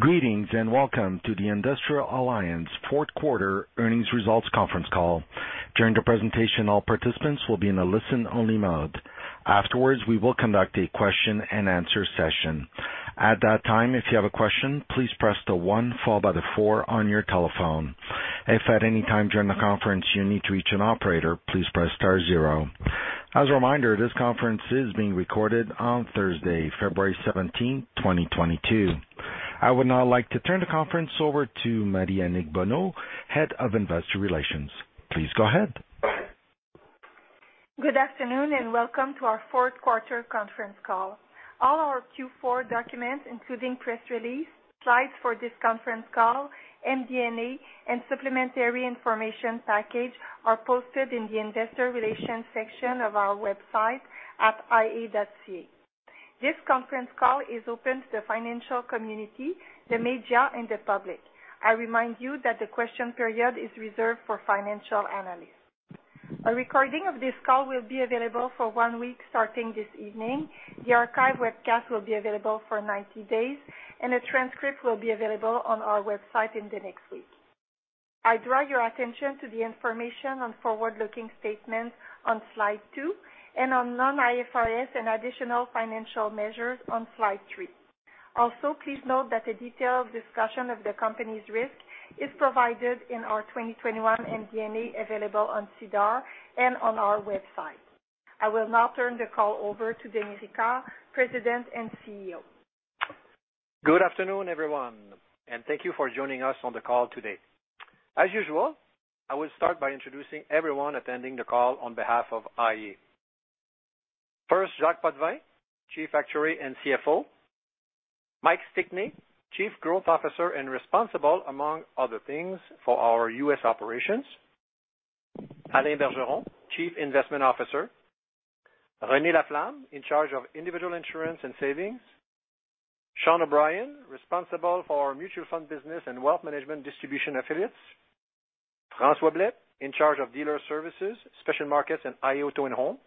Greetings, and welcome to the Industrial Alliance fourth quarter earnings results conference call. During the presentation, all participants will be in a listen-only mode. Afterwards, we will conduct a question-and-answer session. At that time, if you have a question, please press the one followed by the four on your telephone. If at any time during the conference you need to reach an operator, please press star zero. As a reminder, this conference is being recorded on Thursday, February 17, 2022. I would now like to turn the conference over to Marie-Annick Bonneau, Head of Investor Relations. Please go ahead. Good afternoon, and welcome to our fourth quarter conference call. All our Q4 documents, including press release, slides for this conference call, MD&A, and supplementary information package, are posted in the investor relations section of our website at ia.ca. This conference call is open to the financial community, the media, and the public. I remind you that the question period is reserved for financial analysts. A recording of this call will be available for one week starting this evening. The archive webcast will be available for 90 days, and a transcript will be available on our website in the next week. I draw your attention to the information on forward-looking statements on slide two and on non-IFRS and additional financial measures on slide three. Also, please note that a detailed discussion of the company's risk is provided in our 2021 MD&A available on SEDAR and on our website. I will now turn the call over to Denis Ricard, President and CEO. Good afternoon, everyone, and thank you for joining us on the call today. As usual, I will start by introducing everyone attending the call on behalf of iA. First, Jacques Potvin, Chief Actuary and CFO. Mike Stickney, Chief Growth Officer and responsible, among other things, for our U.S. operations. Alain Bergeron, Chief Investment Officer. Renée Laflamme, in charge of individual insurance and savings. Sean O'Brien, responsible for our mutual fund business and wealth management distribution affiliates. François Blais, in charge of Dealer Services, Special Markets, and iA Auto and Home.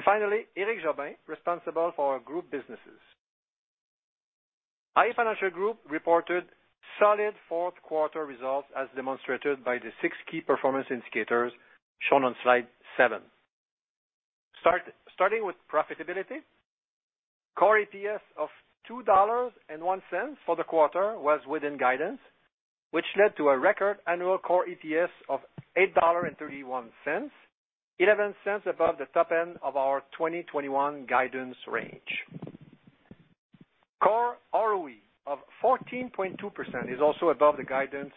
Finally, Éric Jobin, responsible for our group businesses. iA Financial Group reported solid fourth quarter results as demonstrated by the six key performance indicators shown on slide seven. Starting with profitability, core EPS of 2.01 dollars for the quarter was within guidance, which led to a record annual core EPS of 8.31 dollars, 0.11 above the top end of our 2021 guidance range. Core ROE of 14.2% is also above the guidance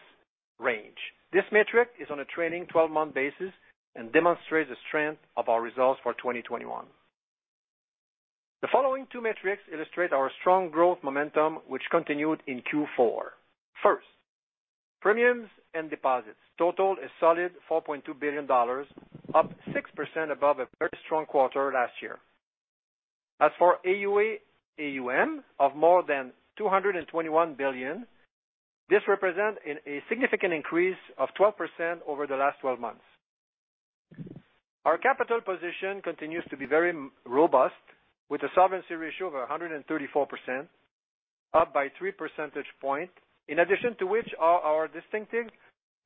range. This metric is on a trailing twelve-month basis and demonstrates the strength of our results for 2021. The following two metrics illustrate our strong growth momentum, which continued in Q4. First, premiums and deposits total a solid 4.2 billion dollars, up 6% above a very strong quarter last year. As for AUA/AUM of more than 221 billion, this represents a significant increase of 12% over the last twelve months. Our capital position continues to be very robust, with a solvency ratio of 134%, up by 3 percentage points, in addition to which are our distinctive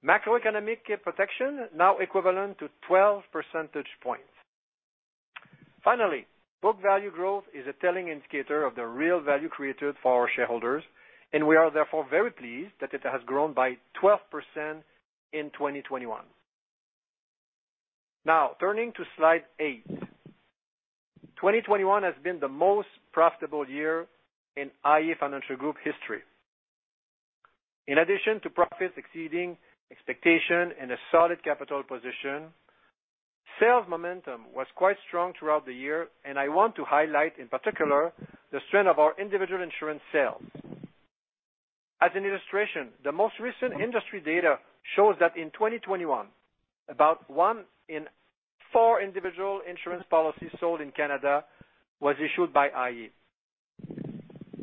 macroeconomic protection, now equivalent to 12 percentage points. Finally, book value growth is a telling indicator of the real value created for our shareholders, and we are therefore very pleased that it has grown by 12% in 2021. Now, turning to slide 8. 2021 has been the most profitable year in iA Financial Group history. In addition to profits exceeding expectation and a solid capital position, sales momentum was quite strong throughout the year, and I want to highlight in particular the strength of our Individual Insurance sales. As an illustration, the most recent industry data shows that in 2021, about 1 in 4 Individual Insurance policies sold in Canada was issued by iA.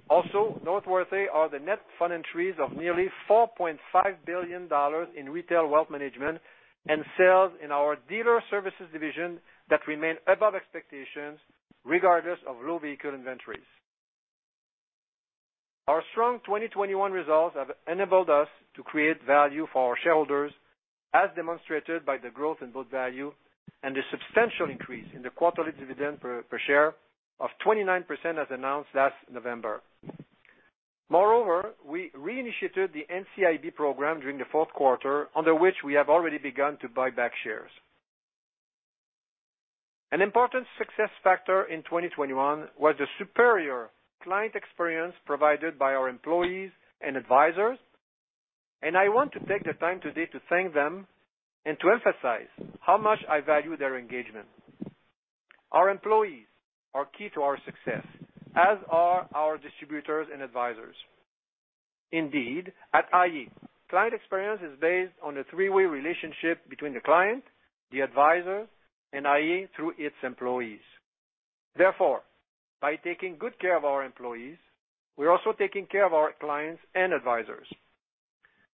Also noteworthy are the net fund entries of nearly 4.5 billion dollars in retail wealth management and sales in our Dealer Services division that remain above expectations regardless of low vehicle inventories. Our strong 2021 results have enabled us to create value for our shareholders, as demonstrated by the growth in book value and the substantial increase in the quarterly dividend per share of 29% as announced last November. Moreover, we reinitiated the NCIB program during the fourth quarter, under which we have already begun to buy back shares. An important success factor in 2021 was the superior client experience provided by our employees and advisors, and I want to take the time today to thank them and to emphasize how much I value their engagement. Our employees are key to our success, as are our distributors and advisors. Indeed, at iA, client experience is based on a three-way relationship between the client, the advisor, and iA through its employees. Therefore, by taking good care of our employees, we're also taking care of our clients and advisors.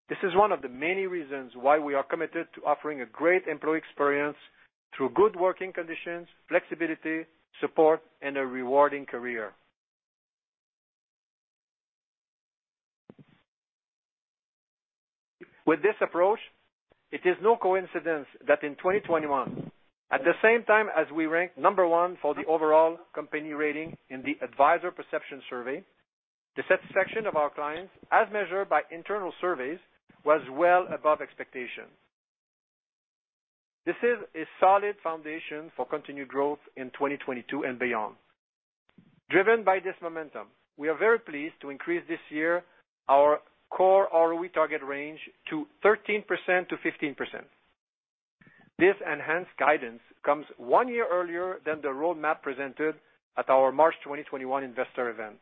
This is one of the many reasons why we are committed to offering a great employee experience through good working conditions, flexibility, support, and a rewarding career. With this approach, it is no coincidence that in 2021, at the same time as we ranked number one for the overall company rating in the Advisor Perception Survey, the satisfaction of our clients as measured by internal surveys was well above expectations. This is a solid foundation for continued growth in 2022 and beyond. Driven by this momentum, we are very pleased to increase this year our core ROE target range to 13%-15%. This enhanced guidance comes one year earlier than the roadmap presented at our March 2021 investor event.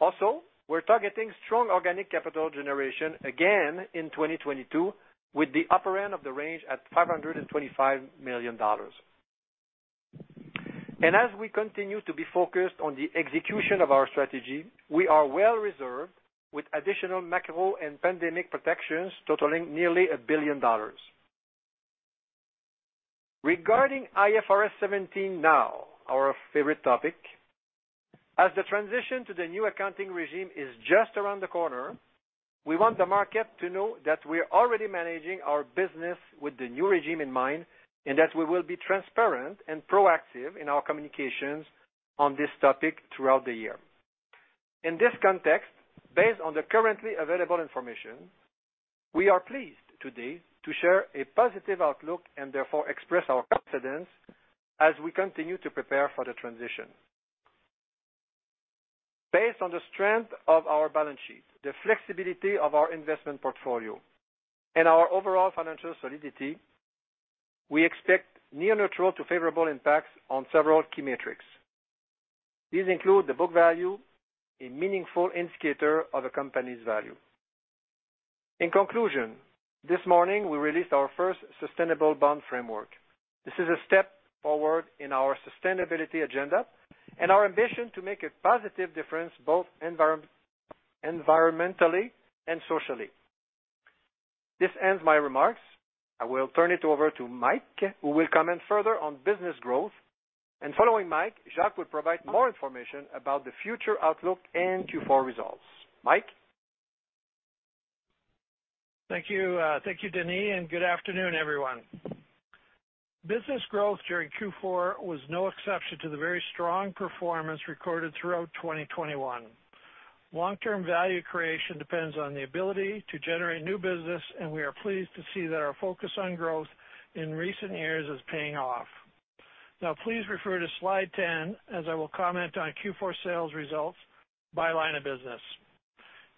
Also, we're targeting strong organic capital generation again in 2022, with the upper end of the range at 525 million dollars. As we continue to be focused on the execution of our strategy, we are well reserved with additional macro and pandemic protections totaling nearly 1 billion dollars. Regarding IFRS 17 now, our favorite topic, as the transition to the new accounting regime is just around the corner, we want the market to know that we are already managing our business with the new regime in mind, and that we will be transparent and proactive in our communications on this topic throughout the year. In this context, based on the currently available information, we are pleased today to share a positive outlook and therefore express our confidence as we continue to prepare for the transition. Based on the strength of our balance sheet, the flexibility of our investment portfolio, and our overall financial solidity, we expect near neutral to favorable impacts on several key metrics. These include the book value, a meaningful indicator of a company's value. In conclusion, this morning, we released our first Sustainability Bond Framework. This is a step forward in our sustainability agenda and our ambition to make a positive difference both environmentally and socially. This ends my remarks. I will turn it over to Mike, who will comment further on business growth. Following Mike, Jacques will provide more information about the future outlook and Q4 results. Mike? Thank you. Thank you, Denis, and good afternoon, everyone. Business growth during Q4 was no exception to the very strong performance recorded throughout 2021. Long-term value creation depends on the ability to generate new business, and we are pleased to see that our focus on growth in recent years is paying off. Now please refer to slide 10 as I will comment on Q4 sales results by line of business.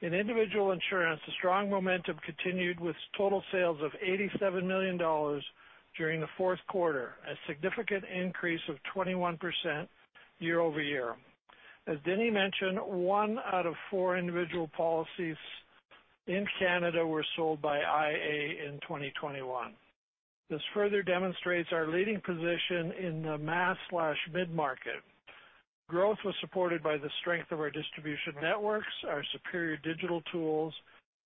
In Individual Insurance, the strong momentum continued with total sales of CAD 87 million during the fourth quarter, a significant increase of 21% year-over-year. As Denis mentioned, 1/4 of individual policies in Canada were sold by iA in 2021. This further demonstrates our leading position in the mass/mid-market. Growth was supported by the strength of our distribution networks, our superior digital tools,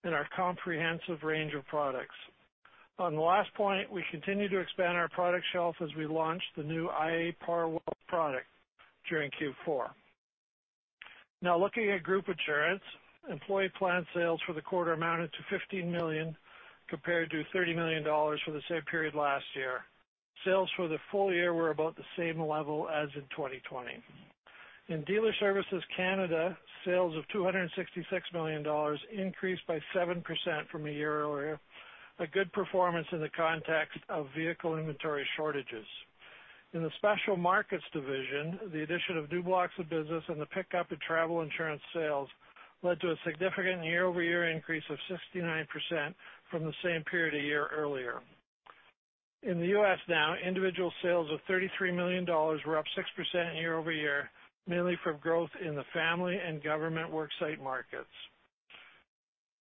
and our comprehensive range of products. On the last point, we continue to expand our product shelf as we launched the new iA PAR product during Q4. Now looking at Group Insurance, employee plan sales for the quarter amounted to 15 million, compared to 30 million dollars for the same period last year. Sales for the full year were about the same level as in 2020. In Dealer Services Canada, sales of 266 million dollars increased by 7% from a year earlier, a good performance in the context of vehicle inventory shortages. In the Special Markets division, the addition of new blocks of business and the pickup in travel insurance sales led to a significant year-over-year increase of 69% from the same period a year earlier. In the U.S. now, individual sales of $33 million were up 6% year over year, mainly from growth in the family and government worksite markets.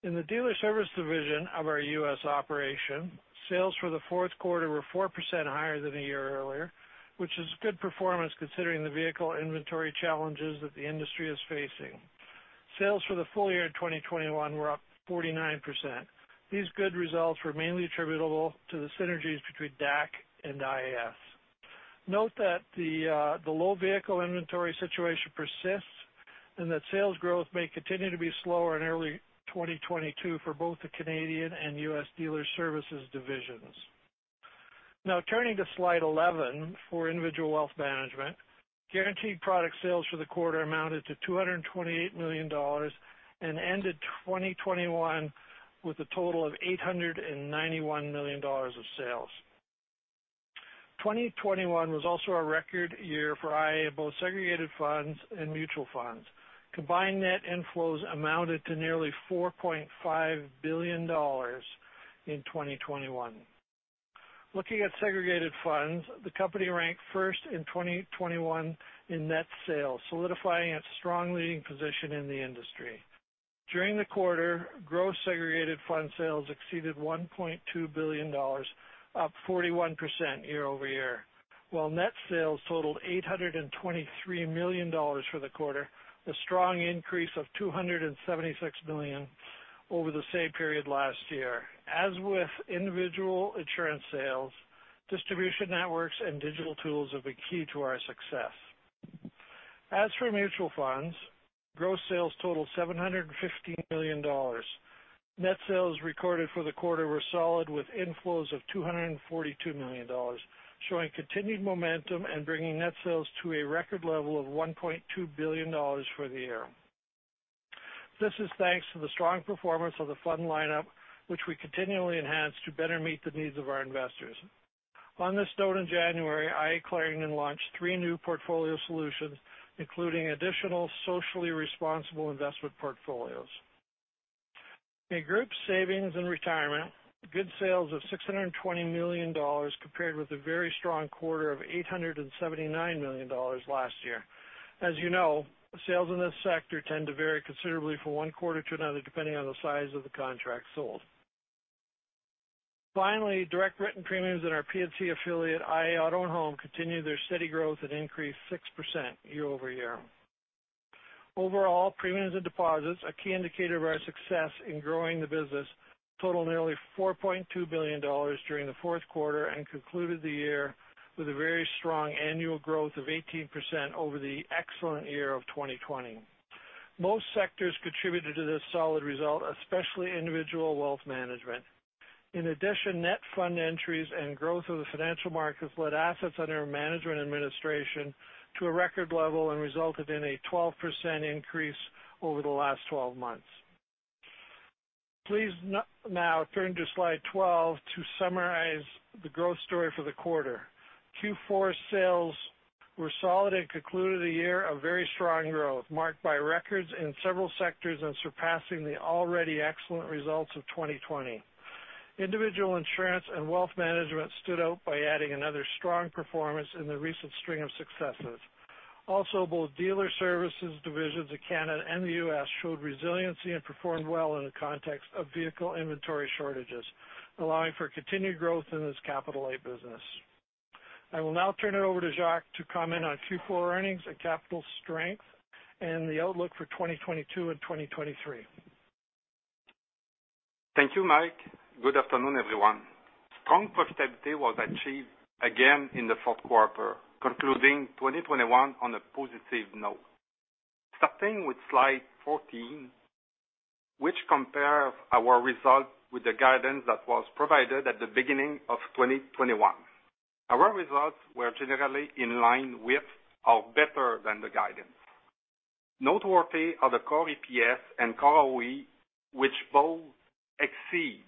In the Dealer Services division of our U.S. operation, sales for the fourth quarter were 4% higher than a year earlier, which is good performance considering the vehicle inventory challenges that the industry is facing. Sales for the full year 2021 were up 49%. These good results were mainly attributable to the synergies between DAC and IAS. Note that the low vehicle inventory situation persists and that sales growth may continue to be slower in early 2022 for both the Canadian and U.S. Dealer Services divisions. Now turning to slide 11 for Individual Wealth Management. Guaranteed product sales for the quarter amounted to 228 million dollars and ended 2021 with a total of 891 million dollars of sales. 2021 was also a record year for iA, both Segregated Funds and Mutual Funds. Combined net inflows amounted to nearly 4.5 billion dollars in 2021. Looking at Segregated Funds, the company ranked first in 2021 in net sales, solidifying its strong leading position in the industry. During the quarter, gross Segregated Funds sales exceeded 1.2 billion dollars, up 41% year-over-year. While net sales totaled 823 million dollars for the quarter, a strong increase of 276 million over the same period last year. As with Individual Insurance sales, distribution networks and digital tools have been key to our success. As for mutual funds, gross sales totaled 715 million dollars. Net sales recorded for the quarter were solid, with inflows of 242 million dollars, showing continued momentum and bringing net sales to a record level of 1.2 billion dollars for the year. This is thanks to the strong performance of the fund lineup, which we continually enhance to better meet the needs of our investors. On this note, in January, iA Clarington launched three new portfolio solutions, including additional socially responsible investment portfolios. In Group Savings and Retirement, good sales of 620 million dollars, compared with a very strong quarter of 879 million dollars last year. As you know, sales in this sector tend to vary considerably from one quarter to another, depending on the size of the contract sold. Finally, direct written premiums in our P&C affiliate, iA Auto and Home, continued their steady growth and increased 6% year-over-year. Overall, premiums and deposits, a key indicator of our success in growing the business, totaled nearly 4.2 billion dollars during the fourth quarter and concluded the year with a very strong annual growth of 18% over the excellent year of 2020. Most sectors contributed to this solid result, especially Individual Wealth Management. In addition, net fund entries and growth of the financial markets led assets under management and administration to a record level and resulted in a 12% increase over the last twelve months. Please now turn to slide 12 to summarize the growth story for the quarter. Q4 sales were solid and concluded a year of very strong growth, marked by records in several sectors and surpassing the already excellent results of 2020. Individual Insurance and Wealth Management stood out by adding another strong performance in the recent string of successes. Also, both Dealer Services divisions in Canada and the U.S. showed resiliency and performed well in the context of vehicle inventory shortages, allowing for continued growth in this capital light business. I will now turn it over to Jacques to comment on Q4 earnings and capital strength and the outlook for 2022 and 2023. Thank you, Mike. Good afternoon, everyone. Strong profitability was achieved again in the fourth quarter, concluding 2021 on a positive note. Starting with slide 14, which compares our results with the guidance that was provided at the beginning of 2021. Our results were generally in line with or better than the guidance. Noteworthy are the core EPS and core ROE, which both exceed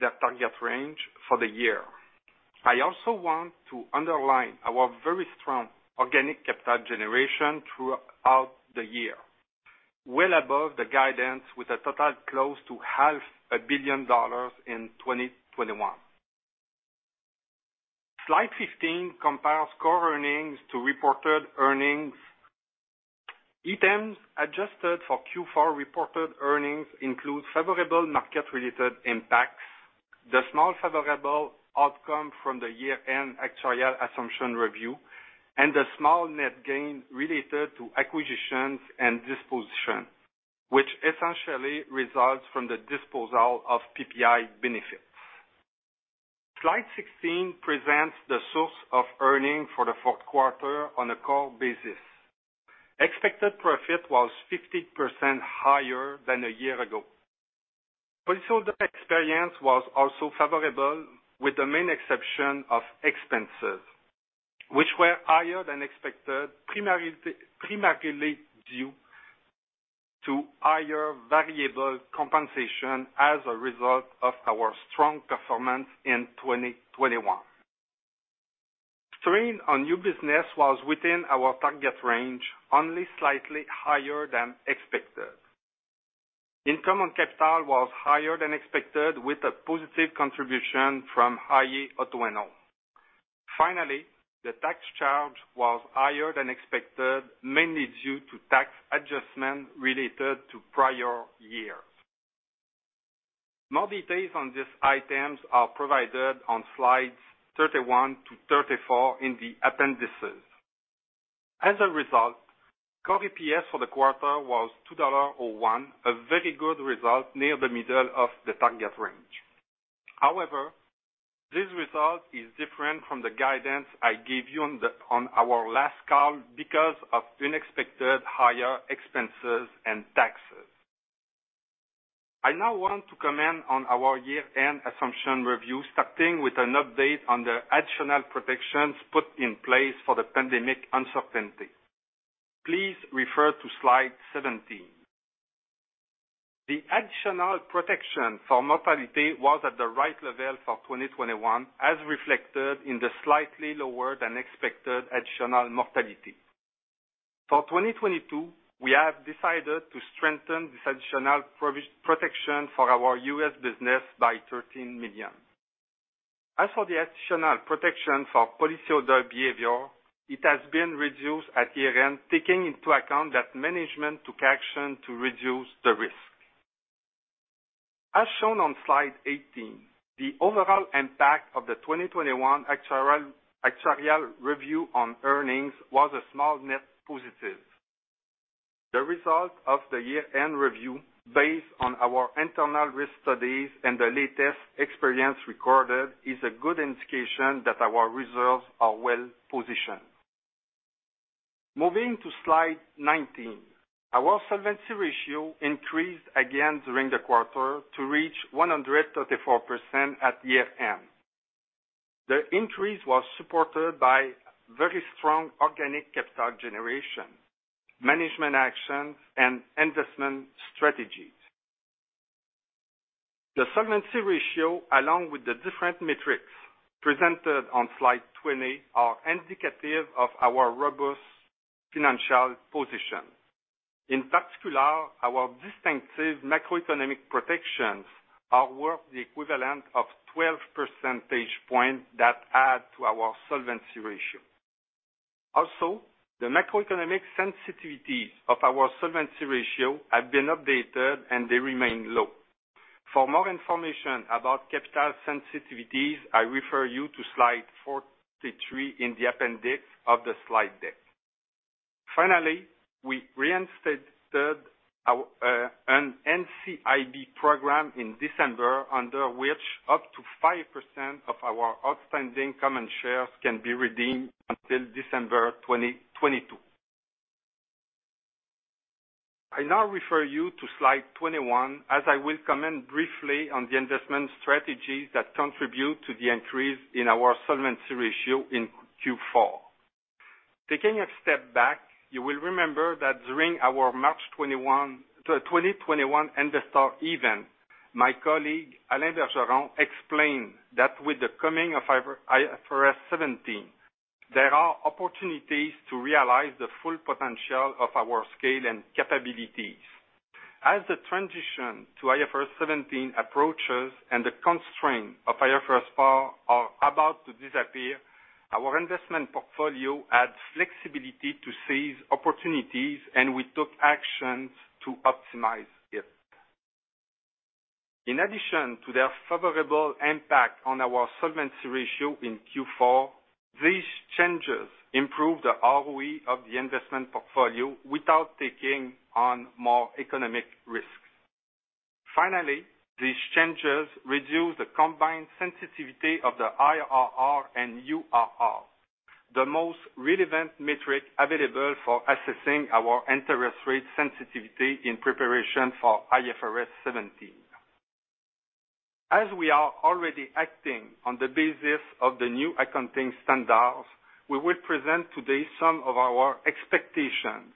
their target range for the year. I also want to underline our very strong organic capital generation throughout the year, well above the guidance with a total close to half a billion CAD in 2021. Slide 15 compares core earnings to reported earnings. Items adjusted for Q4 reported earnings include favorable market-related impacts, the small favorable outcome from the year-end actuarial assumption review, and the small net gain related to acquisitions and disposition, which essentially results from the disposal of PPI Benefits. Slide 16 presents the source of earnings for the fourth quarter on a core basis. Expected profit was 50% higher than a year ago. Policyholder experience was also favorable, with the main exception of expenses, which were higher than expected, primarily due to higher variable compensation as a result of our strong performance in 2021. Strain on new business was within our target range, only slightly higher than expected. Income on capital was higher than expected, with a positive contribution from iA Auto and Home. Finally, the tax charge was higher than expected, mainly due to tax adjustment related to prior years. More details on these items are provided on slides 31-34 in the appendices. As a result, core EPS for the quarter was 2.01 dollar, a very good result, near the middle of the target range. However, this result is different from the guidance I gave you on our last call because of unexpected higher expenses and taxes. I now want to comment on our year-end assumption review, starting with an update on the additional protections put in place for the pandemic uncertainty. Please refer to slide 17. The additional protection for mortality was at the right level for 2021, as reflected in the slightly lower than expected additional mortality. For 2022, we have decided to strengthen this additional protection for our U.S. business by $13 million. As for the additional protection for policyholder behavior, it has been reduced at year-end, taking into account that management took action to reduce the risk. As shown on slide 18, the overall impact of the 2021 actuarial review on earnings was a small net positive. The result of the year-end review, based on our internal risk studies and the latest experience recorded, is a good indication that our reserves are well-positioned. Moving to slide 19, our solvency ratio increased again during the quarter to reach 134% at year-end. The increase was supported by very strong organic capital generation, management actions, and investment strategies. The solvency ratio, along with the different metrics presented on slide 20, are indicative of our robust financial position. In particular, our distinctive macroeconomic protections are worth the equivalent of 12 percentage points that add to our solvency ratio. Also, the macroeconomic sensitivities of our solvency ratio have been updated, and they remain low. For more information about capital sensitivities, I refer you to slide 43 in the appendix of the slide deck. Finally, we reinstated our an NCIB program in December, under which up to 5% of our outstanding common shares can be redeemed until December 2022. I now refer you to slide 21, as I will comment briefly on the investment strategies that contribute to the increase in our solvency ratio in Q4. Taking a step back, you will remember that during our March 2021 investor event, my colleague, Alain Bergeron, explained that with the coming of IFRS 17, there are opportunities to realize the full potential of our scale and capabilities. As the transition to IFRS 17 approaches and the constraint of IFRS 4 are about to disappear, our investment portfolio adds flexibility to seize opportunities, and we took actions to optimize it. In addition to their favorable impact on our solvency ratio in Q4, these changes improve the ROE of the investment portfolio without taking on more economic risks. Finally, these changes reduce the combined sensitivity of the IRR and URR, the most relevant metric available for assessing our interest rate sensitivity in preparation for IFRS 17. As we are already acting on the basis of the new accounting standards, we will present today some of our expectations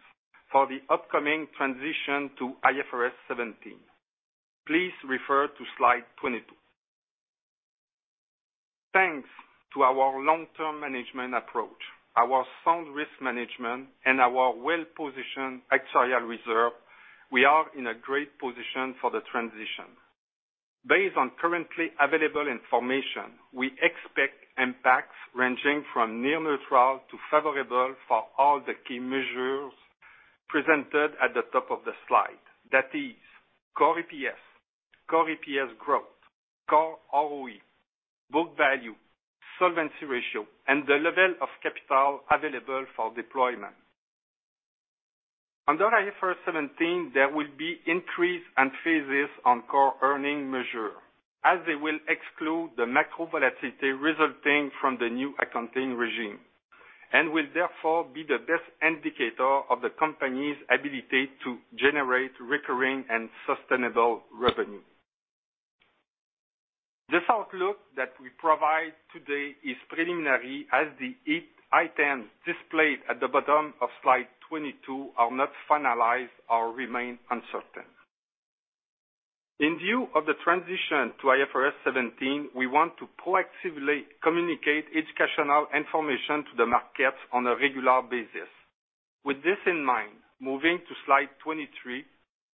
for the upcoming transition to IFRS 17. Please refer to slide 22. Thanks to our long-term management approach, our sound risk management, and our well-positioned actuarial reserve, we are in a great position for the transition. Based on currently available information, we expect impacts ranging from near neutral to favorable for all the key measures presented at the top of the slide. That is, core EPS, core EPS growth, core ROE, book value, solvency ratio, and the level of capital available for deployment. Under IFRS 17, there will be increases and changes on core earnings measures, as they will exclude the macro volatility resulting from the new accounting regime, and will therefore be the best indicator of the company's ability to generate recurring and sustainable revenue. This outlook that we provide today is preliminary, as the items displayed at the bottom of slide 22 are not finalized or remain uncertain. In view of the transition to IFRS 17, we want to proactively communicate educational information to the markets on a regular basis. With this in mind, moving to slide 23,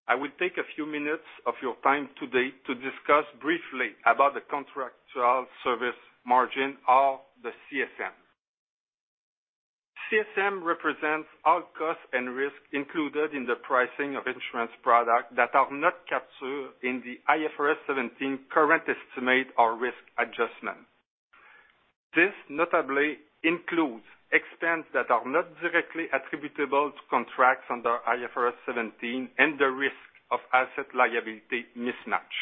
I will take a few minutes of your time today to discuss briefly about the contractual service margin or the CSM. CSM represents all costs and risks included in the pricing of insurance products that are not captured in the IFRS 17 current estimate or risk adjustment. This notably includes expenses that are not directly attributable to contracts under IFRS 17 and the risk of asset liability mismatch.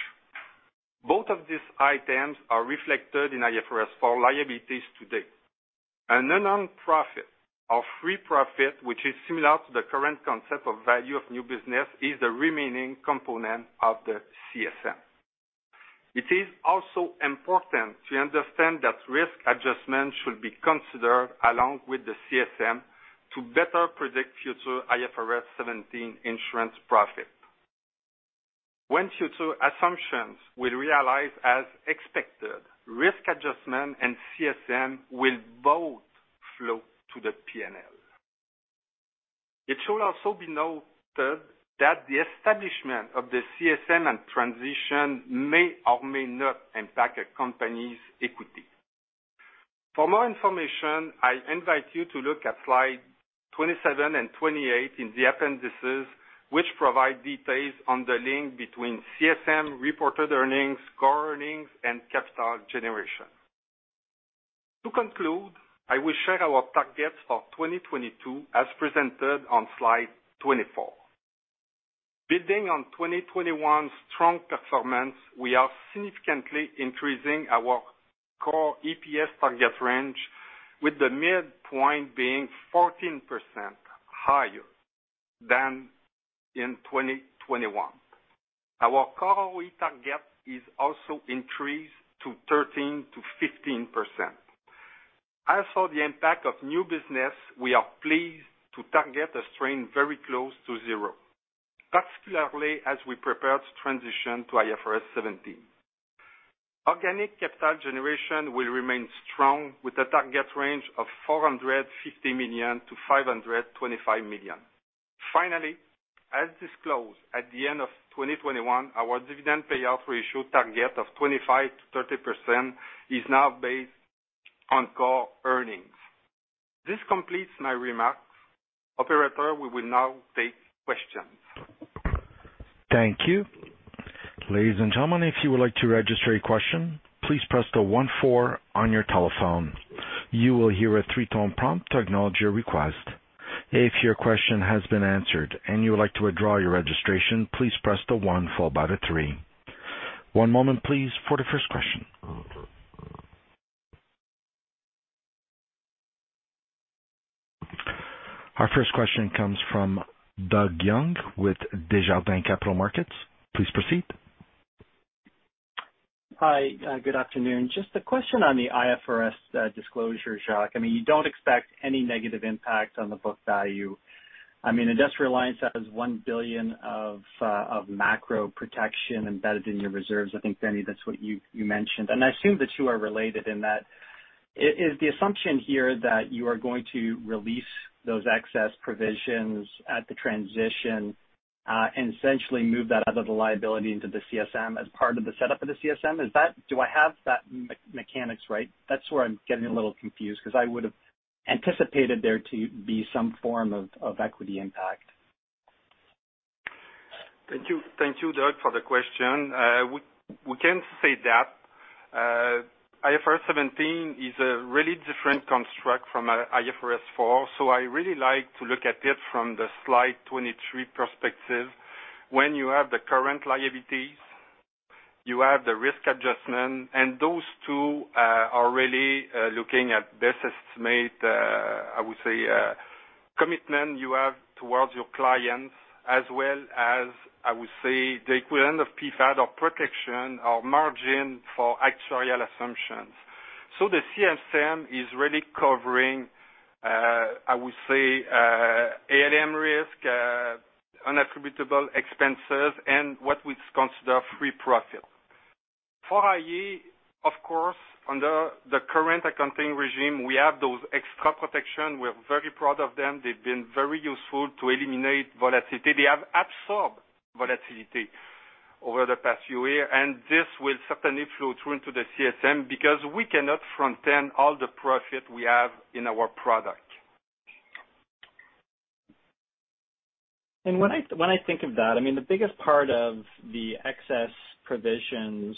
Both of these items are reflected in IFRS 4 liabilities to date. An unearned profit or free profit, which is similar to the current concept of value of new business, is the remaining component of the CSM. It is also important to understand that risk adjustment should be considered along with the CSM to better predict future IFRS 17 insurance profit. When future assumptions will realize as expected, risk adjustment and CSM will both flow to the P&L. It should also be noted that the establishment of the CSM and transition may or may not impact a company's equity. For more information, I invite you to look at slide 27 and 28 in the appendices, which provide details on the link between CSM reported earnings, core earnings, and capital generation. To conclude, I will share our targets for 2022 as presented on slide 24. Building on 2021's strong performance, we are significantly increasing our core EPS target range, with the midpoint being 14% higher than in 2021. Our core ROE target is also increased to 13%-15%. As for the impact of new business, we are pleased to target a strain very close to zero, particularly as we prepare to transition to IFRS 17. Organic capital generation will remain strong with a target range of 450 million-525 million. Finally, as disclosed at the end of 2021, our dividend payout ratio target of 25%-30% is now based on core earnings. This completes my remarks. Operator, we will now take questions. Thank you. Ladies and gentlemen, if you would like to register a question, please press the one four on your telephone. You will hear a 3-tone prompt to acknowledge your request. If your question has been answered and you would like to withdraw your registration, please press the one followed by the three. One moment, please, for the first question. Our first question comes from Doug Young with Desjardins Capital Markets. Please proceed. Hi. Good afternoon. Just a question on the IFRS disclosure, Jacques. I mean, you don't expect any negative impact on the book value. I mean, Industrial Alliance has 1 billion of macro protection embedded in your reserves. I think, Denis, that's what you mentioned. I assume the two are related in that. Is the assumption here that you are going to release those excess provisions at the transition and essentially move that out of the liability into the CSM as part of the setup of the CSM? Is that the mechanics right? That's where I'm getting a little confused because I would have anticipated there to be some form of equity impact. Thank you. Thank you, Doug, for the question. We can say that IFRS 17 is a really different construct from IFRS 4, so I really like to look at it from the slide 23 perspective. When you have the current liabilities, you have the risk adjustment, and those two are really looking at best estimate, I would say, commitment you have towards your clients, as well as, I would say, the equivalent of PfAD or protection or margin for actuarial assumptions. So the CSM is really covering, I would say, ALM risk, unattributable expenses, and what we consider free profit. For iA, of course, under the current accounting regime, we have those extra protection. We're very proud of them. They've been very useful to eliminate volatility. They have absorbed volatility over the past few years, and this will certainly flow through into the CSM because we cannot front-end all the profit we have in our product. When I think of that, I mean, the biggest part of the excess provisions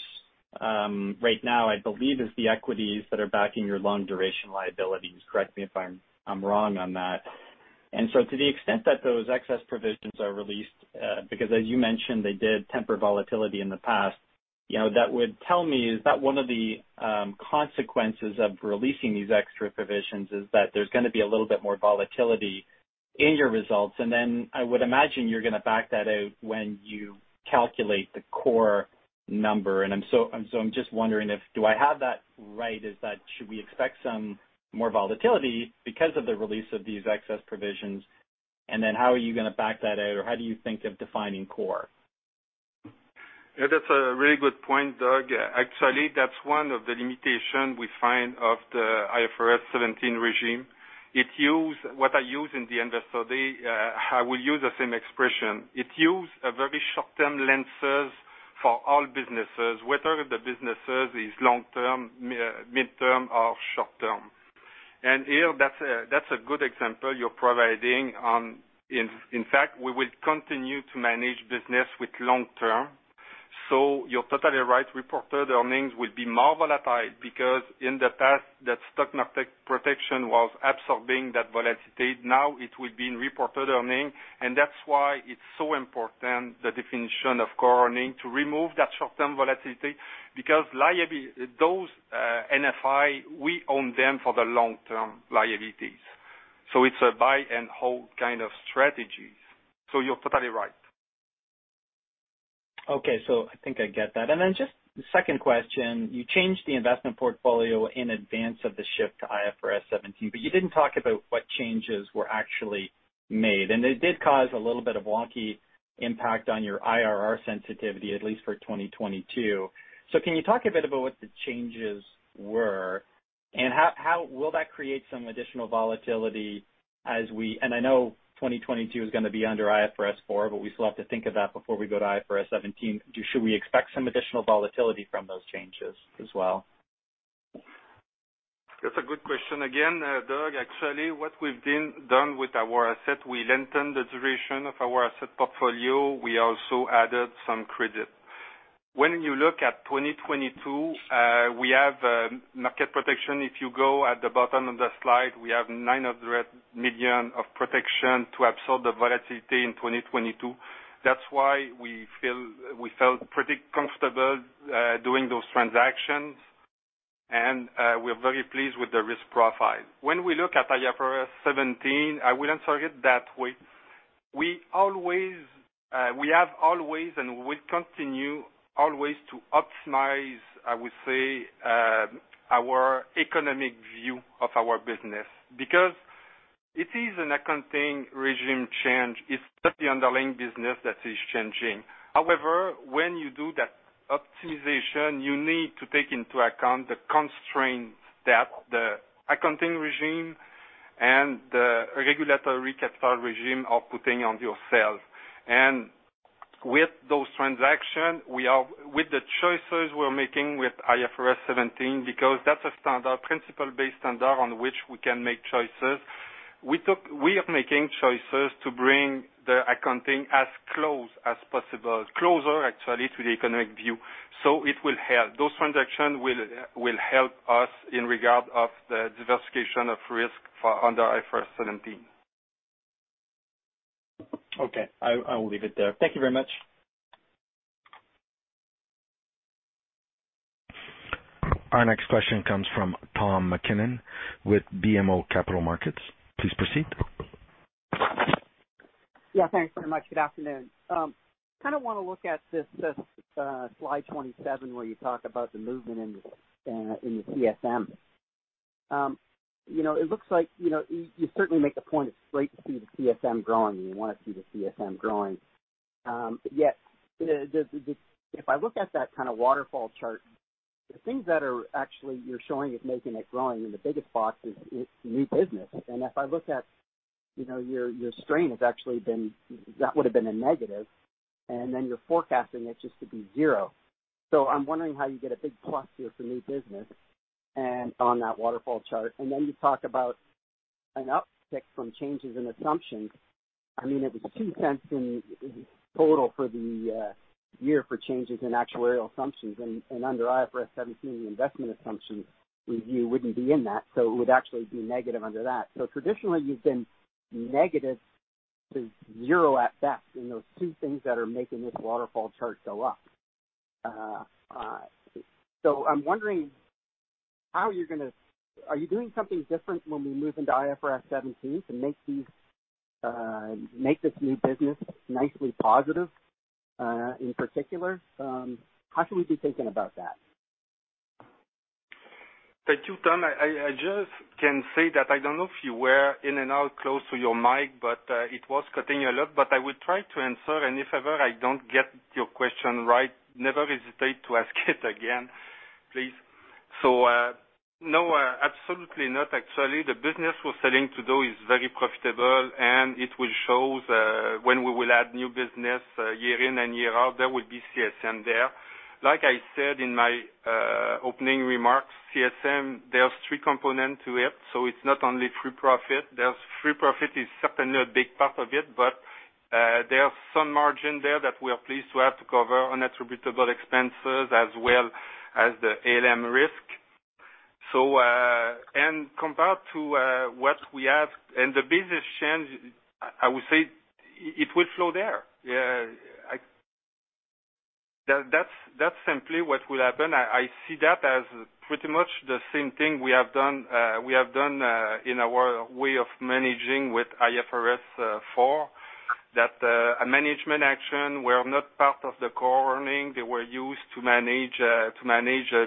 right now, I believe, is the equities that are backing your long-duration liabilities. Correct me if I'm wrong on that. To the extent that those excess provisions are released, because as you mentioned, they did temper volatility in the past, that would tell me is that one of the consequences of releasing these extra provisions is that there's gonna be a little bit more volatility in your results, and then I would imagine you're gonna back that out when you calculate the core number. I'm just wondering if do I have that right? Is that should we expect some more volatility because of the release of these excess provisions? how are you gonna back that out, or how do you think of defining core? Yeah, that's a really good point, Doug. Actually, that's one of the limitation we find of the IFRS 17 regime. It use, what I use in the investor day, I will use the same expression. It use a very short-term lenses for all businesses, whether the businesses is long-term, mid-term, or short-term. Here that's a good example you're providing. In fact, we will continue to manage business with long-term. You're totally right. Reported earnings will be more volatile because in the past that stock market protection was absorbing that volatility. Now it will be in reported earning, and that's why it's so important, the definition of core earning, to remove that short-term volatility because those NFI, we own them for the long-term liabilities. It's a buy and hold kind of strategy. You're totally right. Okay. I think I get that. Just the second question, you changed the investment portfolio in advance of the shift to IFRS 17, but you didn't talk about what changes were actually made. It did cause a little bit of wonky impact on your IRR sensitivity, at least for 2022. Can you talk a bit about what the changes were and how will that create some additional volatility as we and I know 2022 is gonna be under IFRS 4, but we still have to think of that before we go to IFRS 17. Should we expect some additional volatility from those changes as well? That's a good question again, Doug. Actually, what we've done with our assets, we lengthened the duration of our asset portfolio. We also added some credit. When you look at 2022, we have market protection. If you go at the bottom of the slide, we have 900 million of protection to absorb the volatility in 2022. That's why we felt pretty comfortable doing those transactions. We're very pleased with the risk profile. When we look at IFRS 17, I wouldn't target that way. We have always and will continue always to optimize, I would say, our economic view of our business because it is an accounting regime change. It's not the underlying business that is changing. However, when you do that optimization, you need to take into account the constraints that the accounting regime and the regulatory capital regime are putting on yourself. With those transactions, with the choices we're making with IFRS 17 because that's a standard, principle-based standard on which we can make choices. We are making choices to bring the accounting as close as possible, closer actually, to the economic view. It will help. Those transactions will help us in regard of the diversification of risk for under IFRS 17. Okay. I will leave it there. Thank you very much. Our next question comes from Tom MacKinnon with BMO Capital Markets. Please proceed. Yeah, thanks very much. Good afternoon. Kinda wanna look at this slide 27, where you talk about the movement in the CSM. You know, it looks like, you know, you certainly make the point it's great to see the CSM growing, and you wanna see the CSM growing. Yet, if I look at that kind of waterfall chart, the things that are actually you're showing is making it growing, and the biggest box is new business. If I look at, you know, your strain has actually been a negative, and then you're forecasting it just to be zero. I'm wondering how you get a big plus here for new business and on that waterfall chart, and then you talk about an uptick from changes in assumptions. I mean, it was 0.02 in total for the year for changes in actuarial assumptions. Under IFRS 17, the investment assumption review wouldn't be in that. It would actually be negative under that. Traditionally, you've been negative to zero at best in those two things that are making this waterfall chart go up. I'm wondering, are you doing something different when we move into IFRS 17 to make this new business nicely positive, in particular? How should we be thinking about that? Thank you, Tom. I just can say that I don't know if you were in and out close to your mic, but it was cutting a lot. I will try to answer. If ever I don't get your question right, never hesitate to ask it again, please. No, absolutely not. Actually, the business we're selling today is very profitable, and it will shows when we will add new business year in and year out, there will be CSM there. Like I said in my opening remarks, CSM, there's three component to it. It's not only free profit. There's free profit is certainly a big part of it, but there's some margin there that we are pleased to have to cover unattributable expenses as well as the ALM risk. Compared to what we have in the business change, I would say it will flow there. That's simply what will happen. I see that as pretty much the same thing we have done in our way of managing with IFRS 4. That management actions were not part of the core earnings. They were used to manage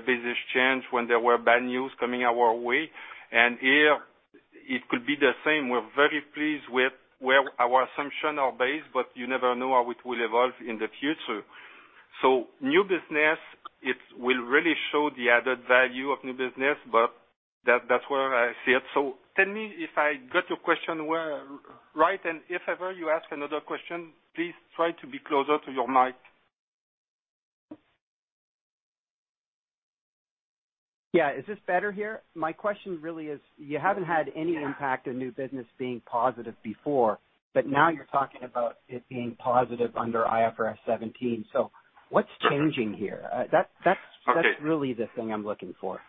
business change when there were bad news coming our way. Here it could be the same. We're very pleased with where our assumptions are based, but you never know how it will evolve in the future. New business, it will really show the added value of new business, but that's where I see it. Tell me if I got your question right, and if ever you ask another question, please try to be closer to your mic. Yeah. Is this better here? My question really is you haven't had any impact on new business being positive before, but now you're talking about it being positive under IFRS 17. What's changing here? Okay. That's really the thing I'm looking for.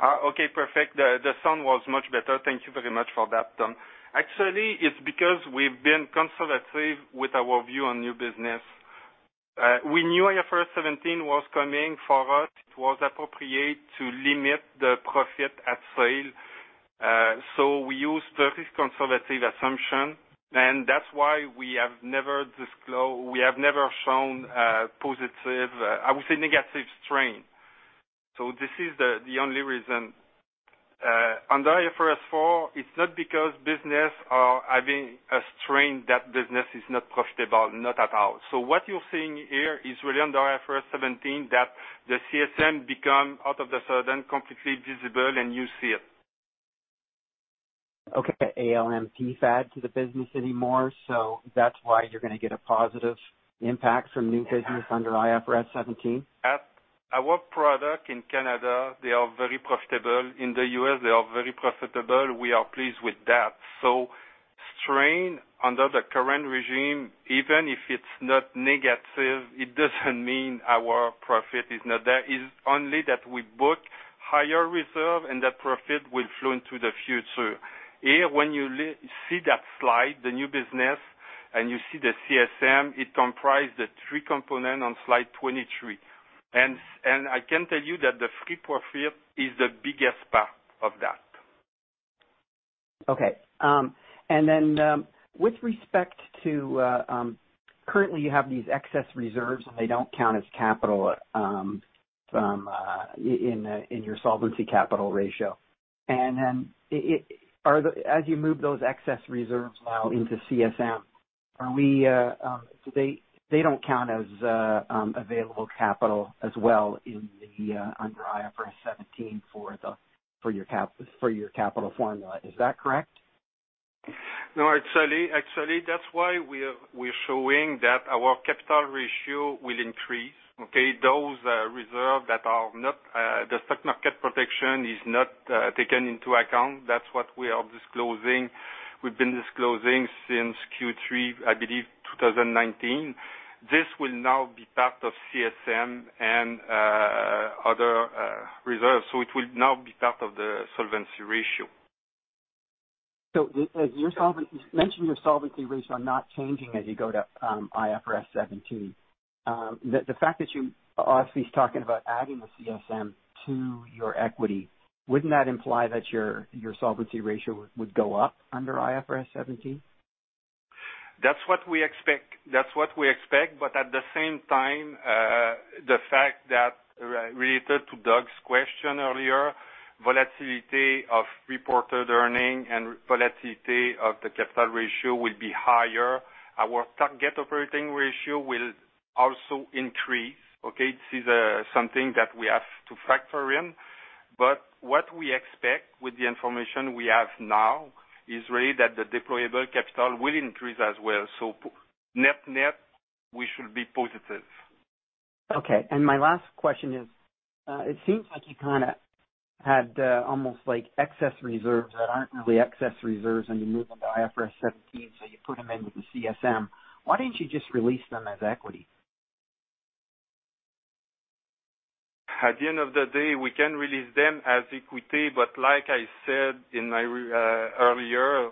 Okay, perfect. The sound was much better. Thank you very much for that, Tom. Actually, it's because we've been conservative with our view on new business. We knew IFRS 17 was coming. For us, it was appropriate to limit the profit at sale. We used very conservative assumptions, and that's why we have never shown, I would say, negative strain. This is the only reason. Under IFRS 4, it's not because businesses are having a strain that the business is not profitable, not at all. What you're seeing here is really under IFRS 17, that the CSM becomes, all of a sudden, completely visible, and you see it. Okay. No ALM, PfAD to the business anymore, so that's why you're gonna get a positive impact from new business under IFRS 17. At our product in Canada, they are very profitable. In the U.S., they are very profitable. We are pleased with that. Strain under the current regime, even if it's not negative, it doesn't mean our profit is not there. It's only that we book higher reserve and that profit will flow into the future. Here, when you see that slide, the new business, and you see the CSM, it comprise the three component on slide 23. I can tell you that the free profit is the biggest part of that. Okay. With respect to currently you have these excess reserves, and they don't count as capital in your solvency capital ratio. As you move those excess reserves now into CSM, are they so they don't count as available capital as well under IFRS 17 for your capital formula. Is that correct? No, actually, that's why we're showing that our capital ratio will increase, okay? Those reserves. The stock market protection is not taken into account. That's what we are disclosing. We've been disclosing since Q3, I believe, 2019. This will now be part of CSM and other reserves. It will now be part of the solvency ratio. You mentioned your solvency ratio are not changing as you go to IFRS 17. The fact that you are at least talking about adding the CSM to your equity, wouldn't that imply that your solvency ratio would go up under IFRS 17? That's what we expect. At the same time, the fact that, related to Doug's question earlier, volatility of reported earnings and volatility of the capital ratio will be higher. Our target operating ratio will also increase, okay? This is, something that we have to factor in. What we expect with the information we have now is really that the deployable capital will increase as well. Net-net, we should be positive. Okay. My last question is, it seems like you kinda had, almost like excess reserves that aren't really excess reserves, and you move them to IFRS 17, so you put them in with the CSM. Why didn't you just release them as equity? At the end of the day, we can release them as equity, but like I said in my earlier,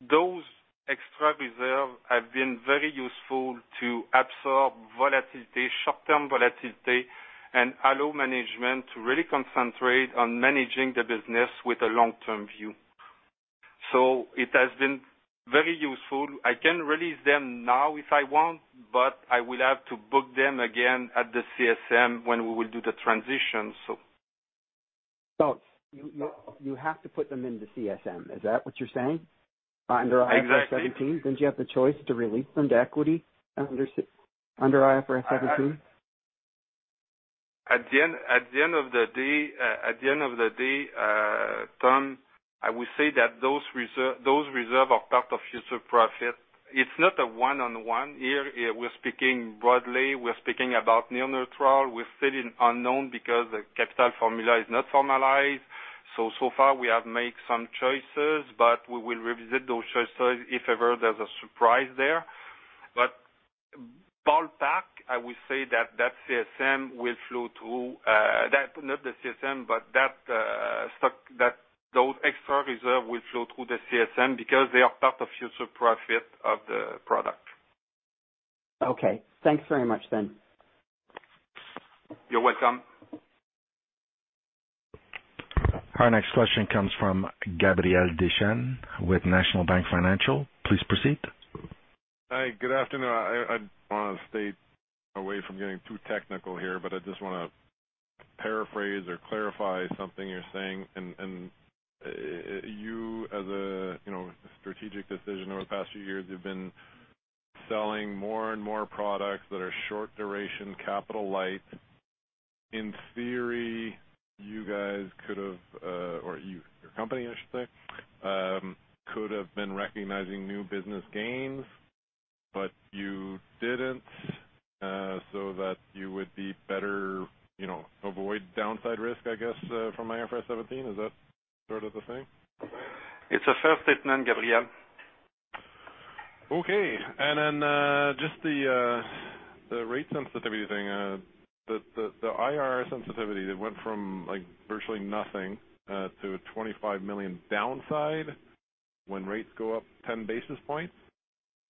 those extra reserves have been very useful to absorb volatility, short-term volatility and allow management to really concentrate on managing the business with a long-term view. It has been very useful. I can release them now if I want, but I will have to book them again at the CSM when we will do the transition. You have to put them into CSM. Is that what you're saying under IFRS 17? Exactly. Don't you have the choice to release them to equity under IFRS 17? At the end of the day, Tom, I will say that those reserves are part of future profit. It's not a one-on-one here. Here we're speaking broadly. We're speaking about near neutral. We're still in unknown because the capital formula is not formalized. So far we have made some choices, but we will revisit those choices if ever there's a surprise there. But ballpark, I will say that that CSM will flow through. Not the CSM, but that stock, those extra reserves will flow through the CSM because they are part of future profit of the product. Okay. Thanks very much then. You're welcome. Our next question comes from Gabriel Dechaine with National Bank Financial. Please proceed. Hi, good afternoon. I wanna stay away from getting too technical here, but I just wanna paraphrase or clarify something you're saying and you've made a strategic decision over the past few years, you've been selling more and more products that are short duration, capital light. In theory, you guys could have or your company, I should say, could have been recognizing new business gains, but you didn't so that you would be better to, you know, avoid downside risk, I guess from IFRS 17. Is that sort of the thing? It's a fair statement, Gabriel. Okay. Just the rate sensitivity thing. The IRR sensitivity that went from, like, virtually nothing, to a 25 million downside when rates go up 10 basis points.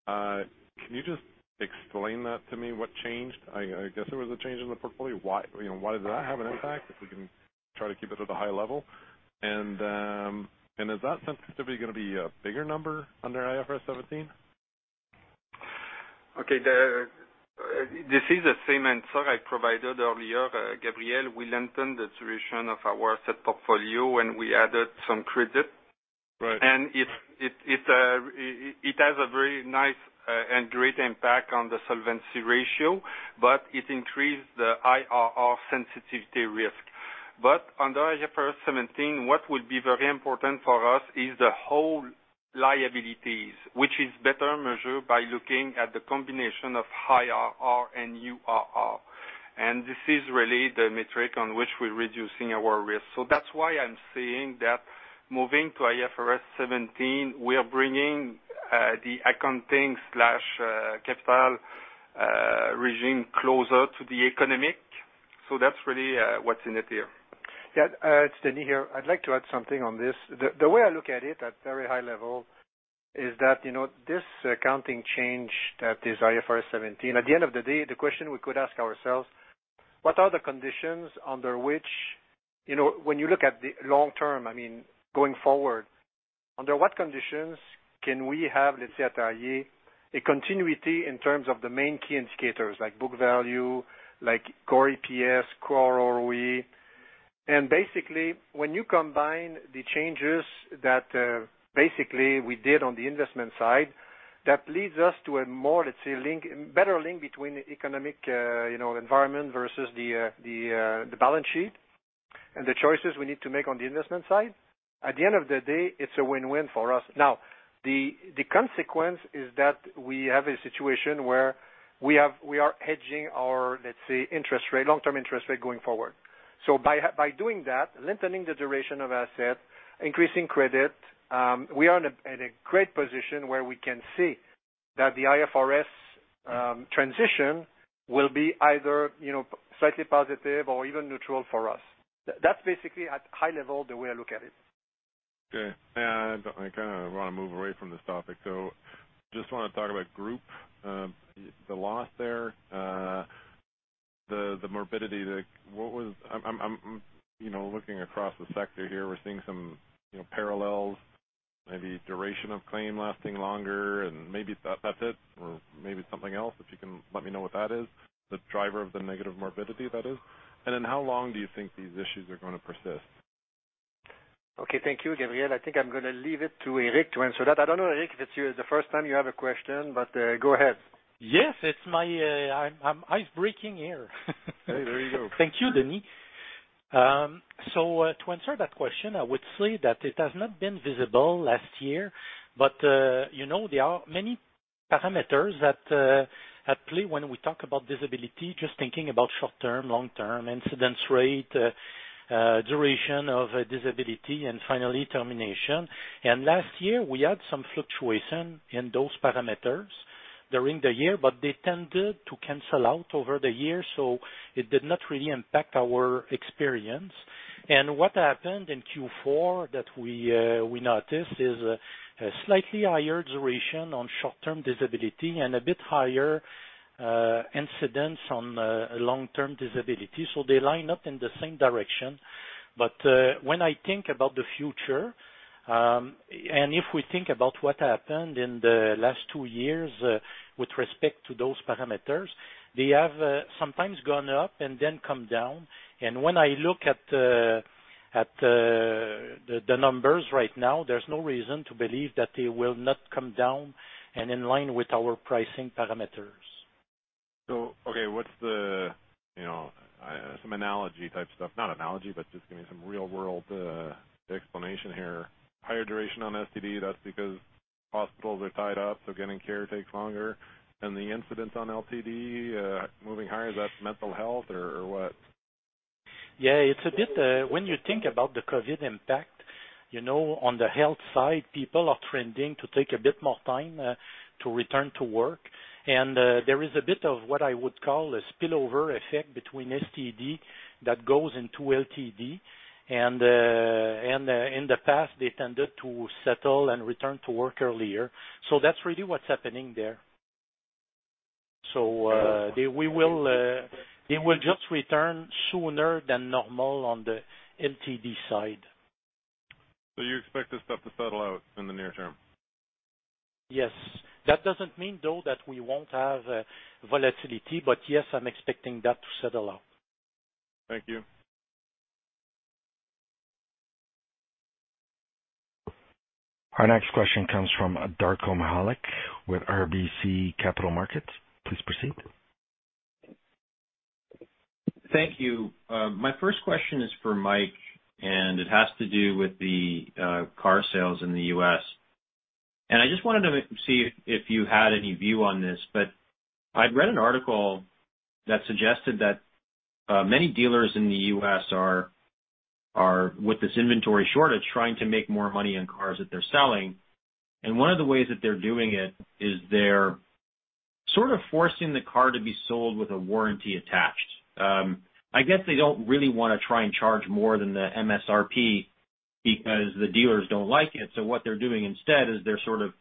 Can you just explain that to me, what changed? I guess there was a change in the portfolio. Why, you know? Why does that have an impact, if we can try to keep it at a high level? Is that sensitivity gonna be a bigger number under IFRS 17? Okay. This is the same answer I provided earlier, Gabriel. We lengthened the duration of our asset portfolio, and we added some credit. Right. It has a very nice and great impact on the solvency ratio, but it increased the IRR sensitivity risk. Under IFRS 17, what will be very important for us is the whole liabilities, which is better measured by looking at the combination of high IRR and URR. This is really the metric on which we're reducing our risk. That's why I'm saying that moving to IFRS 17, we are bringing the accounting/capital regime closer to the economic. That's really what's in it here. Yeah. It's Denis here. I'd like to add something on this. The way I look at it at very high level is that, you know, this accounting change that is IFRS 17, at the end of the day, the question we could ask ourselves, what are the conditions under which, you know, when you look at the long term, I mean, going forward, under what conditions can we have, let's say, at iA, a continuity in terms of the main key indicators like book value, like core EPS, core ROE. Basically, when you combine the changes that basically we did on the investment side, that leads us to a more, let's say, linked, better link between economic, you know, environment versus the balance sheet and the choices we need to make on the investment side. At the end of the day, it's a win-win for us. Now, the consequence is that we have a situation where we are hedging our, let's say, interest rate, long-term interest rate going forward. By doing that, lengthening the duration of asset, increasing credit, we are in a great position where we can see that the IFRS transition will be either, you know, slightly positive or even neutral for us. That's basically at high level, the way I look at it. Okay. I kinda wanna move away from this topic. I just wanna talk about group, the loss there, the morbidity. I'm you know looking across the sector here. We're seeing some you know parallels, maybe duration of claim lasting longer, and maybe that's it or maybe something else, if you can let me know what that is, the driver of the negative morbidity, that is. How long do you think these issues are gonna persist? Okay. Thank you, Gabriel. I think I'm gonna leave it to Éric to answer that. I don't know, Éric, if it's you, the first time you have a question, but, go ahead. Yes, it's my. I'm ice-breaking here. There you go. Thank you, Denis. To answer that question, I would say that it has not been visible last year, but, you know, there are many parameters that at play when we talk about disability, just thinking about short-term, long-term, incidence rate, duration of a disability, and finally termination. Last year, we had some fluctuation in those parameters during the year, but they tended to cancel out over the year, so it did not really impact our experience. What happened in Q4 that we noticed is a slightly higher duration on short-term disability and a bit higher incidence on long-term disability. They line up in the same direction. when I think about the future, and if we think about what happened in the last two years with respect to those parameters, they have sometimes gone up and then come down. When I look at the numbers right now, there's no reason to believe that they will not come down and in line with our pricing parameters. Okay, what's the, you know, some analogy type stuff. Not analogy, but just give me some real-world explanation here. Higher duration on STD, that's because hospitals are tied up, so getting care takes longer. The incidence on LTD moving higher, is that mental health or what? Yeah. It's a bit, when you think about the COVID impact, you know, on the health side, people are trending to take a bit more time to return to work. There is a bit of what I would call a spillover effect between STD that goes into LTD. In the past, they tended to settle and return to work earlier. That's really what's happening there. They will just return sooner than normal on the LTD side. You expect this stuff to settle out in the near term? Yes. That doesn't mean, though, that we won't have volatility, but yes, I'm expecting that to settle out. Thank you. Our next question comes from Darko Mihelic with RBC Capital Markets. Please proceed. Thank you. My first question is for Mike, and it has to do with the car sales in the U.S. I just wanted to see if you had any view on this, but I'd read an article that suggested that many dealers in the U.S. are with this inventory shortage trying to make more money on cars that they're selling. One of the ways that they're doing it is they're sort of forcing the car to be sold with a warranty attached. I guess they don't really wanna try and charge more than the MSRP because the dealers don't like it. What they're doing instead is they're sort of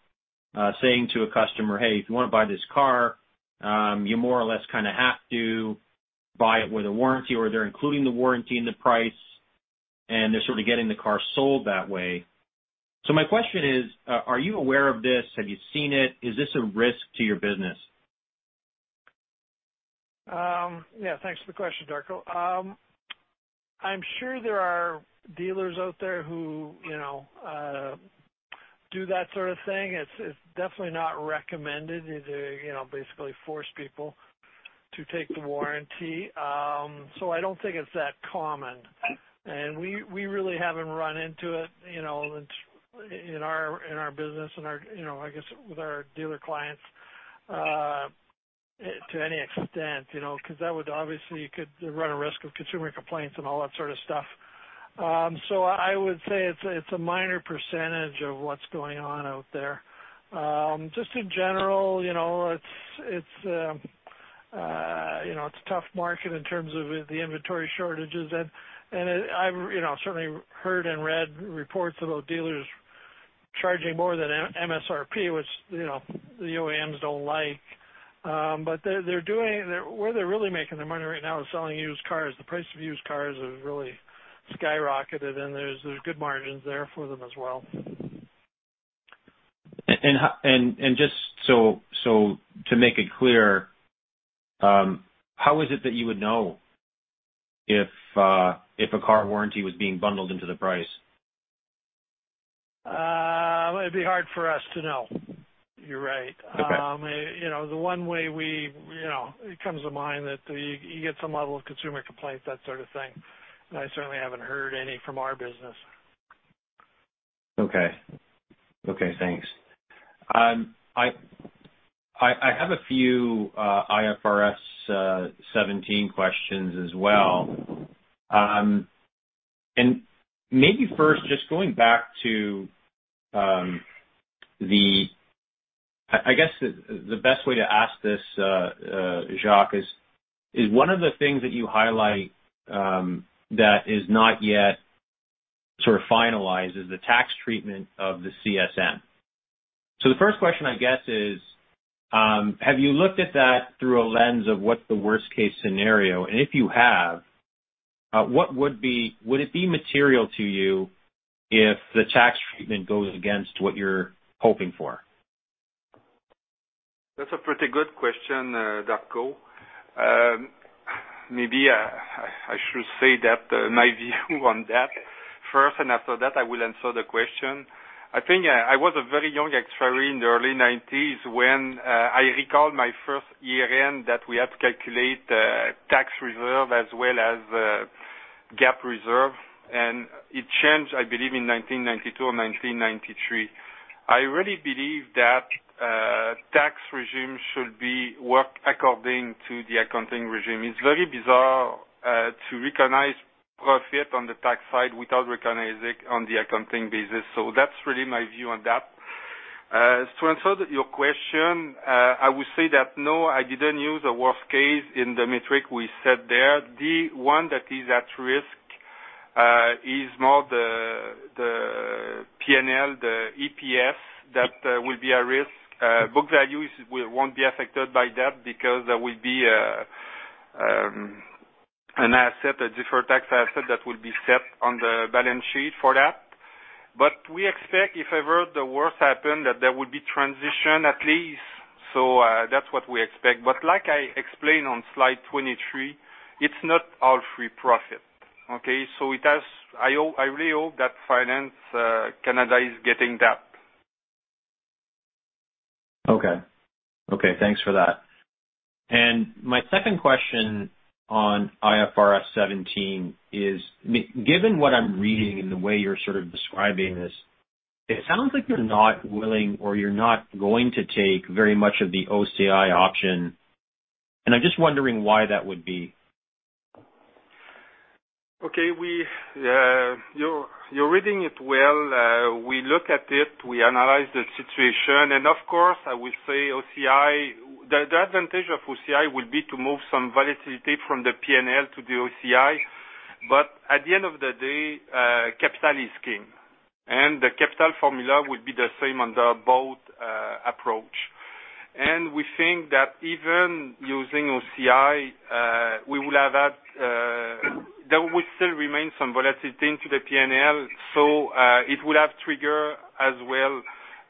saying to a customer, "Hey, if you wanna buy this car, you more or less kinda have to buy it with a warranty," or they're including the warranty in the price, and they're sort of getting the car sold that way. My question is, are you aware of this? Have you seen it? Is this a risk to your business? Yeah, thanks for the question, Darko. I'm sure there are dealers out there who, you know, do that sort of thing. It's definitely not recommended to, you know, basically force people to take the warranty. I don't think it's that common. We really haven't run into it, you know, in our business and our, you know, I guess, with our dealer clients, to any extent, you know, 'cause that would obviously could run a risk of consumer complaints and all that sort of stuff. I would say it's a minor percentage of what's going on out there. Just in general, you know, it's a tough market in terms of the inventory shortages. I've, you know, certainly heard and read reports about dealers charging more than MSRP, which, you know, the OEMs don't like. But where they're really making their money right now is selling used cars. The price of used cars has really skyrocketed, and there's good margins there for them as well. Just so to make it clear, how is it that you would know if a car warranty was being bundled into the price? It'd be hard for us to know. You're right. Okay. You know, the one way we, you know, it comes to mind that you get some level of consumer complaint, that sort of thing. I certainly haven't heard any from our business. Okay, thanks. I have a few IFRS 17 questions as well. Maybe first just going back to, I guess the best way to ask this, Jacques, is one of the things that you highlight that is not yet sort of finalized is the tax treatment of the CSM. The first question, I guess, is have you looked at that through a lens of what's the worst case scenario? If you have, would it be material to you if the tax treatment goes against what you're hoping for? That's a pretty good question, Darko. Maybe I should say that my view on that first, and after that, I will answer the question. I think I was a very young actuary in the early 1990s when I recall my first year-end that we had to calculate tax reserve as well as GAAP reserve, and it changed, I believe, in 1992 or 1993. I really believe that tax regime should work according to the accounting regime. It's very bizarre to recognize profit on the tax side without recognizing on the accounting basis. That's really my view on that. To answer your question, I would say that no, I didn't use the worst case in the metric we set there. The one that is at risk is more the P&L, the EPS that will be a risk. Book value won't be affected by that because there will be an asset, a deferred tax asset that will be set on the balance sheet for that. We expect if ever the worst happen, that there will be transition at least. That's what we expect. Like I explained on slide 23, it's not all free profit, okay? It has I hope, I really hope that Finance Canada is getting that. Okay. Okay, thanks for that. My second question on IFRS 17 is, given what I'm reading and the way you're sort of describing this, it sounds like you're not willing or you're not going to take very much of the OCI option, and I'm just wondering why that would be. Okay. You're reading it well. We look at it, we analyze the situation, and of course, I will say OCI. The advantage of OCI will be to move some volatility from the P&L to the OCI. At the end of the day, capital is king, and the capital formula would be the same under both approach. We think that even using OCI, we will have that there will still remain some volatility into the P&L. It will also trigger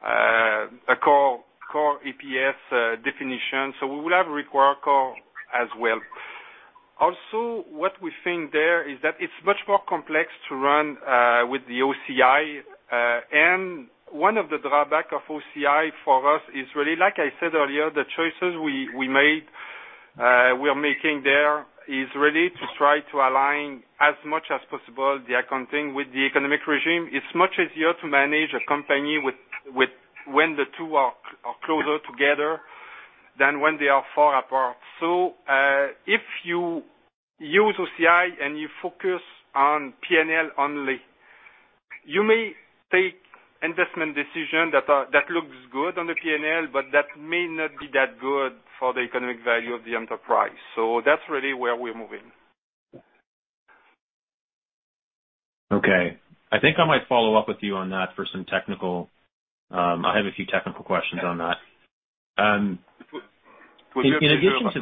a core EPS definition. We will have to require core as well. Also, what we think is that it's much more complex to run with the OCI. One of the drawbacks of OCI for us is really, like I said earlier, the choices we made, we are making there is really to try to align as much as possible the accounting with the economic regime. It's much easier to manage a company with when the two are closer together than when they are far apart. If you use OCI and you focus on P&L only, you may take investment decisions that looks good on the P&L, but that may not be that good for the economic value of the enterprise. That's really where we're moving. Okay. I think I might follow up with you on that. I have a few technical questions on that. Would you- In addition to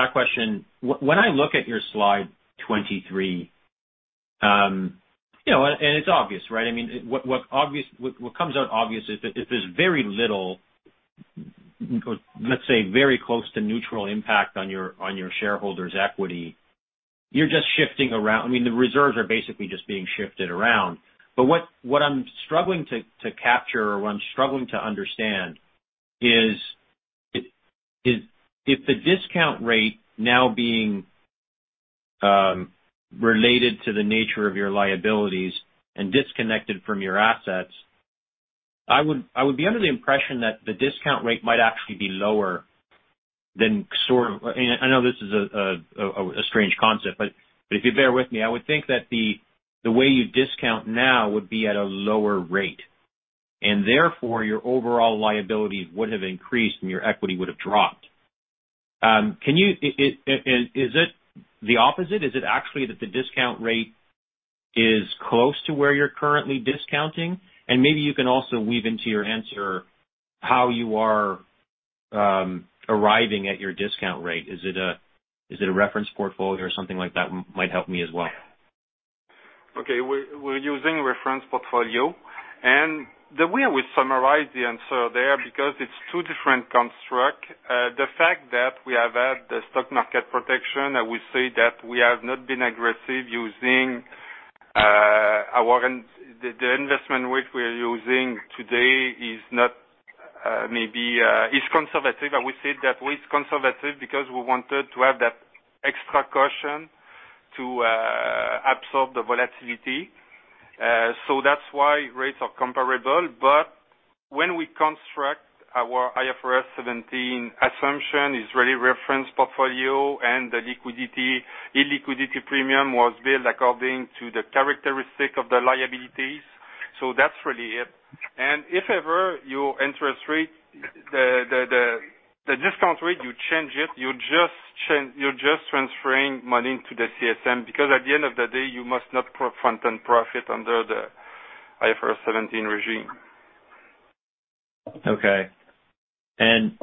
that question, when I look at your slide 23, you know, and it's obvious, right? I mean, what comes out obvious is that if there's very little, or let's say very close to neutral impact on your shareholders' equity, you're just shifting around. I mean, the reserves are basically just being shifted around. What I'm struggling to capture or what I'm struggling to understand is if the discount rate now being related to the nature of your liabilities and disconnected from your assets, I would be under the impression that the discount rate might actually be lower than sort of. I know this is a strange concept, but if you bear with me, I would think that the way you discount now would be at a lower rate, and therefore your overall liabilities would have increased and your equity would have dropped. Can you. Is it the opposite? Is it actually that the discount rate is close to where you're currently discounting? Maybe you can also weave into your answer how you are arriving at your discount rate. Is it a reference portfolio or something like that might help me as well? Okay. We're using reference portfolio. The way we summarize the answer there, because it's two different construct, the fact that we have had the stock market protection, I would say that we have not been aggressive using. The investment which we are using today is not maybe conservative. I would say that it's conservative because we wanted to have that extra caution to absorb the volatility. That's why rates are comparable. When we construct our IFRS 17 assumption, it's really reference portfolio and the illiquidity premium was built according to the characteristic of the liabilities. That's really it. If ever your interest rate, the discount rate, you change it, you're just transferring money to the CSM because at the end of the day, you must not front-end profit under the IFRS 17 regime. Okay.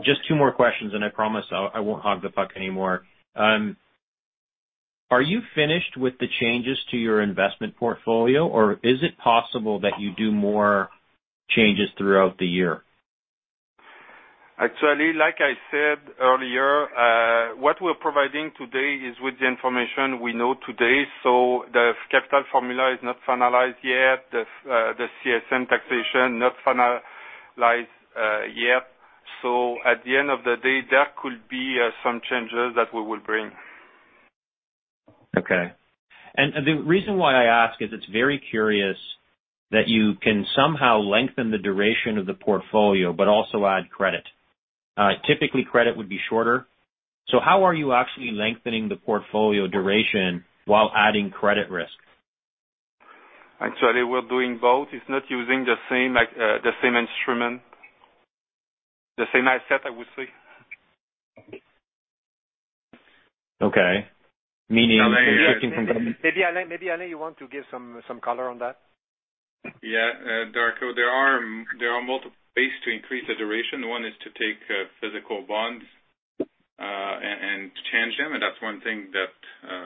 Just two more questions, and I promise I won't hog the puck anymore. Are you finished with the changes to your investment portfolio, or is it possible that you do more changes throughout the year? Actually, like I said earlier, what we're providing today is with the information we know today. The capital formula is not finalized yet. The CSM taxation not finalized yet. At the end of the day, there could be some changes that we will bring. Okay. The reason why I ask is it's very curious that you can somehow lengthen the duration of the portfolio but also add credit. Typically, credit would be shorter. How are you actually lengthening the portfolio duration while adding credit risk? Actually, we're doing both. It's not using the same, like, the same instrument, the same asset, I would say. Okay. Maybe, Alain, you want to give some color on that. Yeah, Darko, there are multiple ways to increase the duration. One is to take physical bonds and change them, and that's one thing that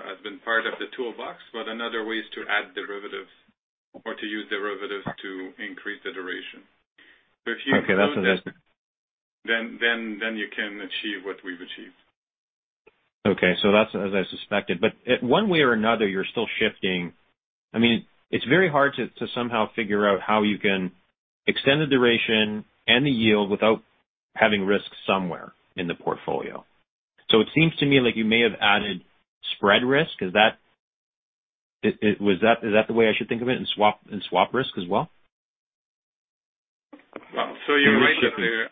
has been part of the toolbox. Another way is to add derivatives or to use derivatives to increase the duration. If you- Okay, that's what I was. You can achieve what we've achieved. Okay. That's as I suspected. One way or another, you're still shifting. I mean, it's very hard to somehow figure out how you can extend the duration and the yield without having risk somewhere in the portfolio. It seems to me like you may have added spread risk. Is that the way I should think of it, and swap risk as well? You're right. Am I shifting? Sorry.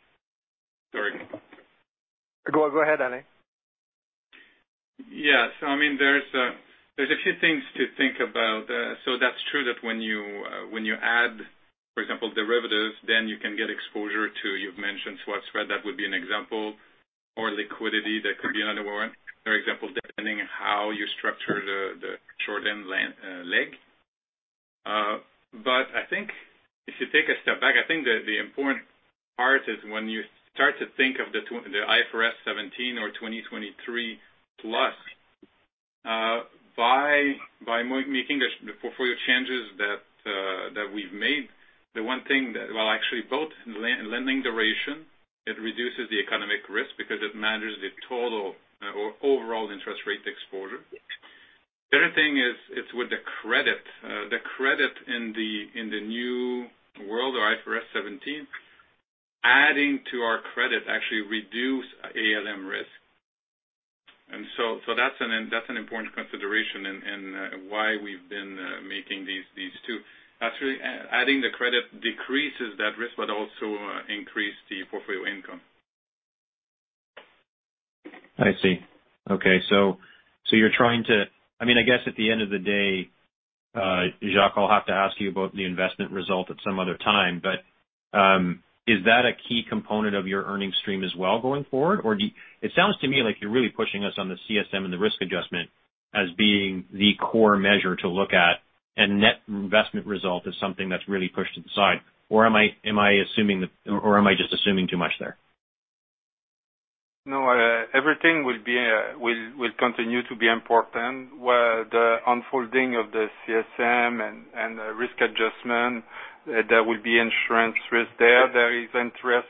Go ahead, Alain. I mean, there's a few things to think about. That's true that when you add, for example, derivatives, then you can get exposure to, you've mentioned swap spread, that would be an example, or liquidity, that could be another one. For example, depending how you structure the short end leg. I think if you take a step back, I think the important part is when you start to think of the IFRS 17 or 2023 plus, by making the portfolio changes that we've made, the one thing that. Well, actually, both. Lending duration, it reduces the economic risk because it manages the total or overall interest rate exposure. The other thing is, it's with the credit. The credit in the new world of IFRS 17, adding to our credit actually reduces ALM risk. That's an important consideration and why we've been making these two. Actually, adding the credit decreases that risk but also increases the portfolio income. I see. Okay. I mean, I guess at the end of the day, Jacques, I'll have to ask you about the investment result at some other time. Is that a key component of your earnings stream as well going forward? It sounds to me like you're really pushing us on the CSM and the risk adjustment as being the core measure to look at, and net investment result is something that's really pushed to the side. Am I just assuming too much there? No, everything will continue to be important. Where the unfolding of the CSM and risk adjustment, there will be insurance risk there. There is interest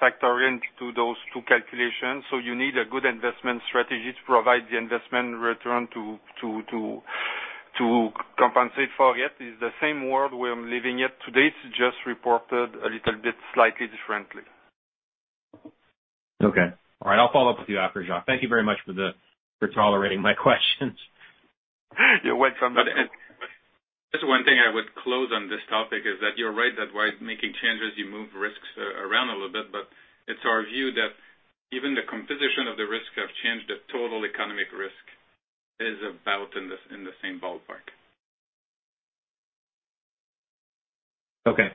factor into those two calculations. You need a good investment strategy to provide the investment return to compensate for it. It's the same world we're living in today, it's just reported a little bit slightly differently. Okay. All right. I'll follow up with you after, Jacques. Thank you very much for tolerating my questions. You're welcome. Just one thing I would close on this topic is that you're right, that while making changes, you move risks around a little bit, but it's our view that even the composition of the risk have changed, the total economic risk is about in the same ballpark. Okay.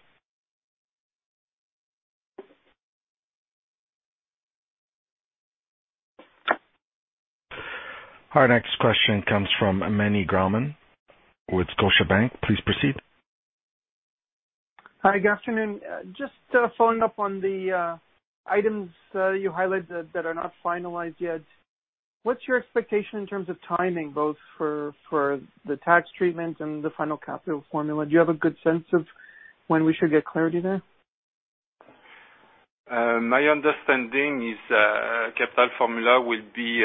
Our next question comes from Meny Grauman with Scotiabank. Please proceed. Hi, good afternoon. Just following up on the items you highlighted that are not finalized yet. What's your expectation in terms of timing, both for the tax treatment and the final capital formula? Do you have a good sense of when we should get clarity there? My understanding is, capital formula will be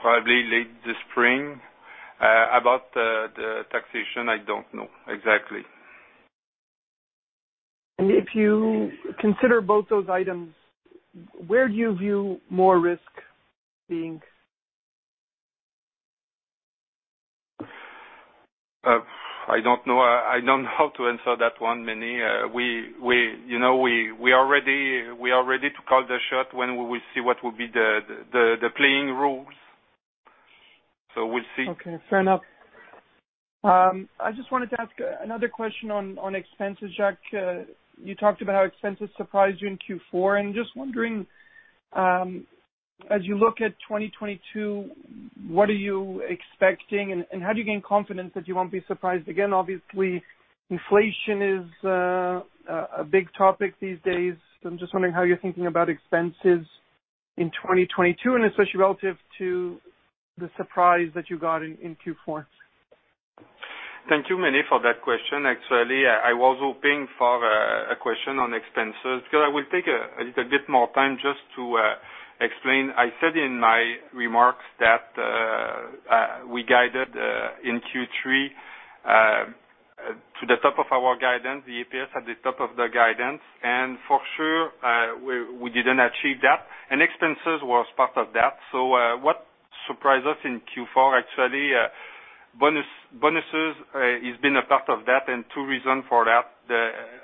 probably late this spring. About the taxation, I don't know exactly. If you consider both those items, where do you view more risk being? I don't know. I don't know how to answer that one, Manny. We, you know, are ready to call the shot when we will see what will be the playing rules. We'll see. Okay, fair enough. I just wanted to ask another question on expenses, Jacques. You talked about how expenses surprised you in Q4, and just wondering, as you look at 2022, what are you expecting, and how do you gain confidence that you won't be surprised again? Obviously, inflation is a big topic these days. I'm just wondering how you're thinking about expenses in 2022, and especially relative to the surprise that you got in Q4. Thank you, Manny, for that question. Actually, I was hoping for a question on expenses, because I will take a little bit more time just to explain. I said in my remarks that we guided in Q3 to the top of our guidance, the APS at the top of the guidance. For sure, we didn't achieve that, and expenses was part of that. What surprised us in Q4, actually, bonuses has been a part of that, and two reasons for that.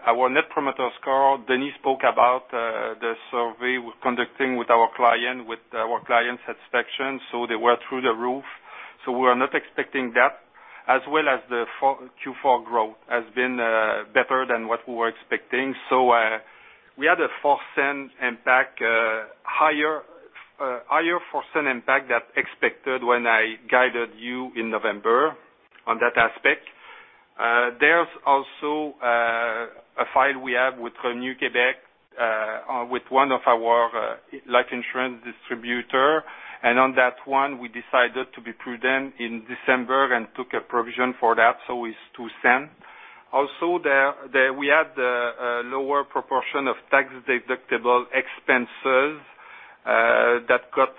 Our net promoter score, Denis spoke about, the survey we're conducting with our clients, client satisfaction, so they were through the roof. We were not expecting that, as well as Q4 growth has been better than what we were expecting. We had a 0.04 impact, higher 0.04 impact than expected when I guided you in November on that aspect. There's also a fight we have with Québec with one of our life insurance distributor. On that one, we decided to be prudent in December and took a provision for that, so it's 0.02. Also, we had a lower proportion of tax-deductible expenses that cost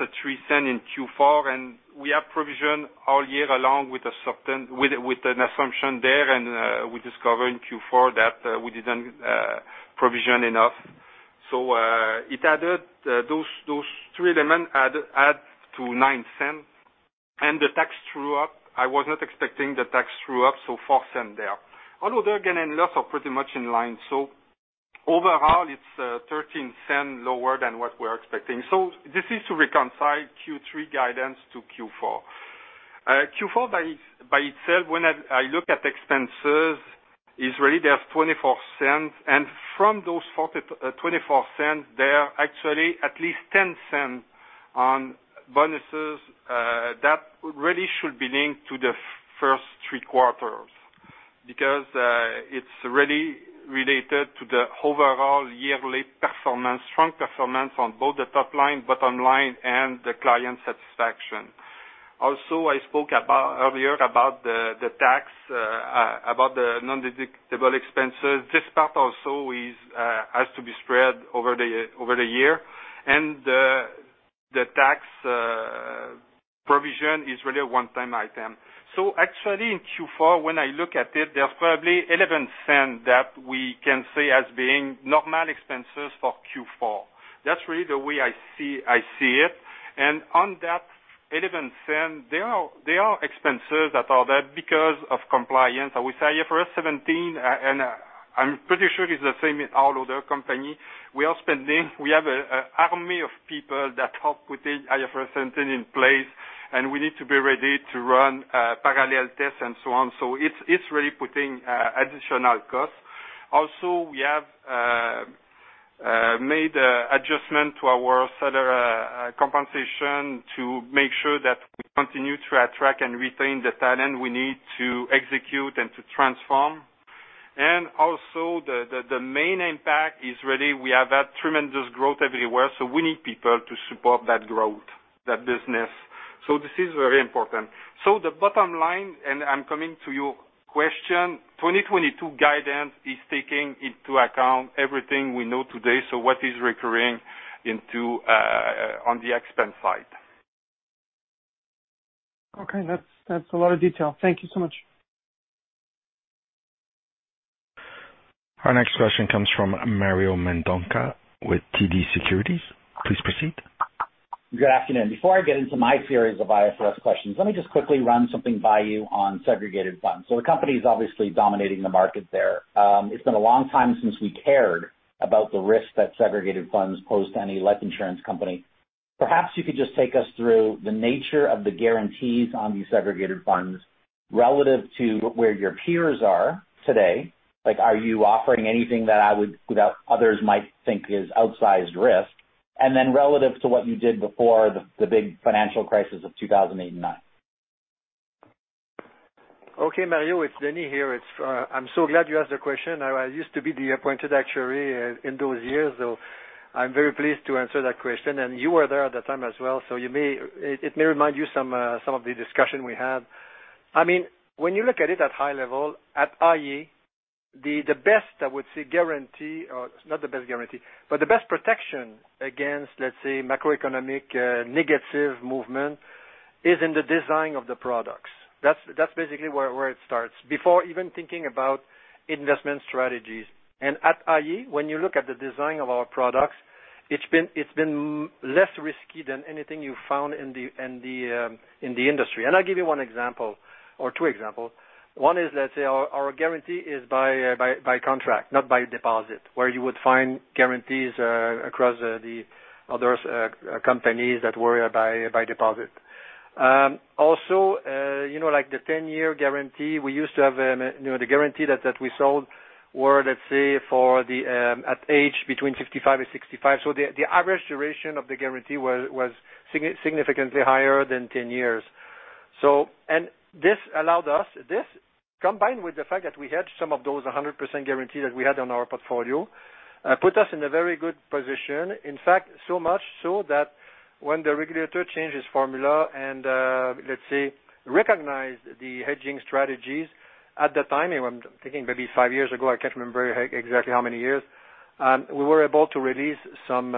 us 0.03 in Q4, and we have provision all year long with an assumption there, and we discover in Q4 that we didn't provision enough. It added those three elements add to 0.09. The tax true-up, I was not expecting the tax true-up, so 0.04 there. Although there again, losses are pretty much in line. Overall, it's 0.13 lower than what we're expecting. This is to reconcile Q3 guidance to Q4. Q4 by itself, when I look at expenses, it's really 0.24, and from those 0.40, 0.24, there are actually at least 0.10 on bonuses that really should be linked to the first 3 quarters. It's really related to the overall yearly performance, strong performance on both the top line, bottom line, and the client satisfaction. Also, I spoke about earlier about the tax about the non-deductible expenses. This part also has to be spread over the year. The tax provision is really a one-time item. Actually, in Q4, when I look at it, there's probably 0.11 that we can say as being normal expenses for Q4. That's really the way I see it. On that 0.11, there are expenses that are there because of compliance. With IFRS 17, and I'm pretty sure it's the same in all other companies, we are spending, we have an army of people that help putting IFRS 17 in place, and we need to be ready to run parallel tests and so on. It's really putting additional costs. Also, we have made an adjustment to our sales compensation to make sure that we continue to attract and retain the talent we need to execute and to transform. Also, the main impact is really we have had tremendous growth everywhere, so we need people to support that growth, that business. This is very important. The bottom line, and I'm coming to your question, 2022 guidance is taking into account everything we know today, so what is recurring into on the expense side. Okay. That's a lot of detail. Thank you so much. Our next question comes from Mario Mendonca with TD Securities. Please proceed. Good afternoon. Before I get into my series of IFRS questions, let me just quickly run something by you on Segregated Funds. The company is obviously dominating the market there. It's been a long time since we cared about the risk that Segregated Funds pose to any life insurance company. Perhaps you could just take us through the nature of the guarantees on these Segregated Funds relative to where your peers are today. Like, are you offering anything that others might think is outsized risk? Then relative to what you did before the big financial crisis of 2008 and 2009. Okay, Mario, it's Denis here. It's, I'm so glad you asked the question. I used to be the appointed actuary in those years, so I'm very pleased to answer that question. You were there at the time as well, so it may remind you some of the discussion we had. I mean, when you look at it at high level, at iA, the best, I would say, guarantee, or not the best guarantee, but the best protection against, let's say, macroeconomic negative movement is in the design of the products. That's basically where it starts, before even thinking about investment strategies. At iA, when you look at the design of our products, it's been less risky than anything you found in the industry. I'll give you one example, or two examples. One is, let's say, our guarantee is by contract, not by deposit, where you would find guarantees across the other companies that were by deposit. Also, you know, like the ten-year guarantee, we used to have, you know, the guarantee that we sold were, let's say, for the at age between 55 and 65. The average duration of the guarantee was significantly higher than 10 years. This, combined with the fact that we had some of those 100% guarantee that we had on our portfolio, put us in a very good position. In fact, so much so that when the regulator changed his formula and, let's say, recognized the hedging strategies at that time, I'm thinking maybe five years ago, I can't remember exactly how many years, we were able to release some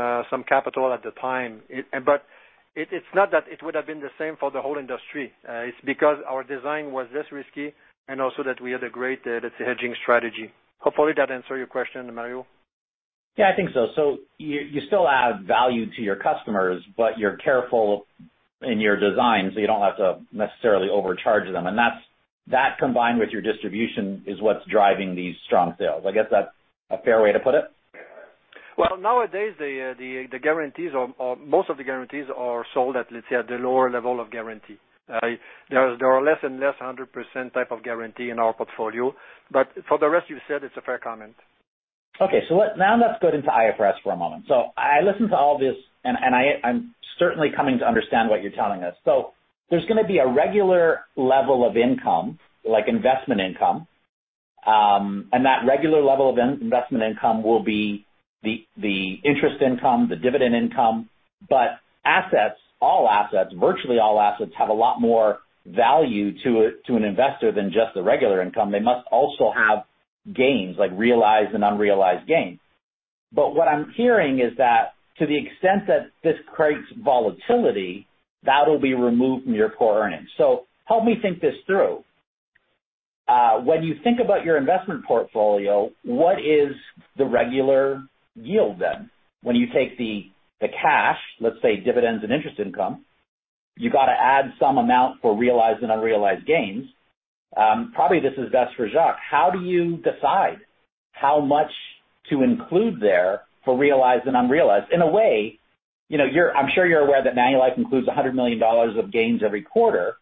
capital at the time. But it's not that it would have been the same for the whole industry. It's because our design was less risky and also that we had a great, let's say, hedging strategy. Hopefully that answer your question, Mario. Yeah, I think so. You still add value to your customers, but you're careful in your design, so you don't have to necessarily overcharge them. That's combined with your distribution is what's driving these strong sales. I guess that's a fair way to put it? Well, nowadays, the guarantees or most of the guarantees are sold at, let's say, at the lower level of guarantee. There are less and less a 100-type of guarantee in our portfolio. For the rest you said, it's a fair comment. Let's go into IFRS for a moment. I listened to all this, and I'm certainly coming to understand what you're telling us. There's gonna be a regular level of income, like investment income, and that regular level of investment income will be the interest income, the dividend income. Assets, all assets, virtually all assets have a lot more value to an investor than just the regular income. They must also have gains, like realized and unrealized gains. What I'm hearing is that to the extent that this creates volatility, that will be removed from your core earnings. Help me think this through. When you think about your investment portfolio, what is the regular yield then? When you take the cash, let's say dividends and interest income, you gotta add some amount for realized and unrealized gains. Probably this is best for Jacques. How do you decide how much to include there for realized and unrealized? In a way, you know, I'm sure you're aware that Manulife includes 100 million dollars of gains every quarter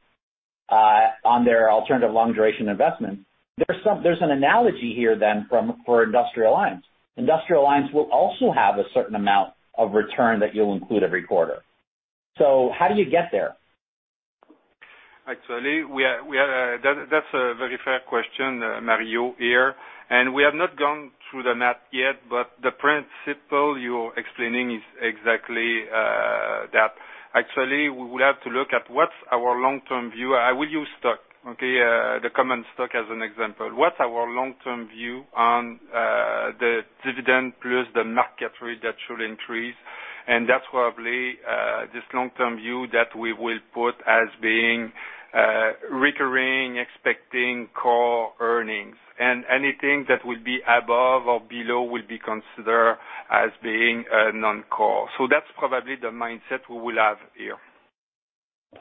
on their alternative long duration investment. There's an analogy here then for Industrial Alliance. Industrial Alliance will also have a certain amount of return that you'll include every quarter. So how do you get there? Actually, we are—that's a very fair question, Mario, here. We have not gone through the math yet, but the principle you're explaining is exactly that. Actually, we will have to look at what's our long-term view. I will use stock, okay, the common stock as an example. What's our long-term view on the dividend plus the market rate that should increase? That's probably this long-term view that we will put as being recurring, expecting core earnings. Anything that will be above or below will be considered as being non-core. That's probably the mindset we will have here.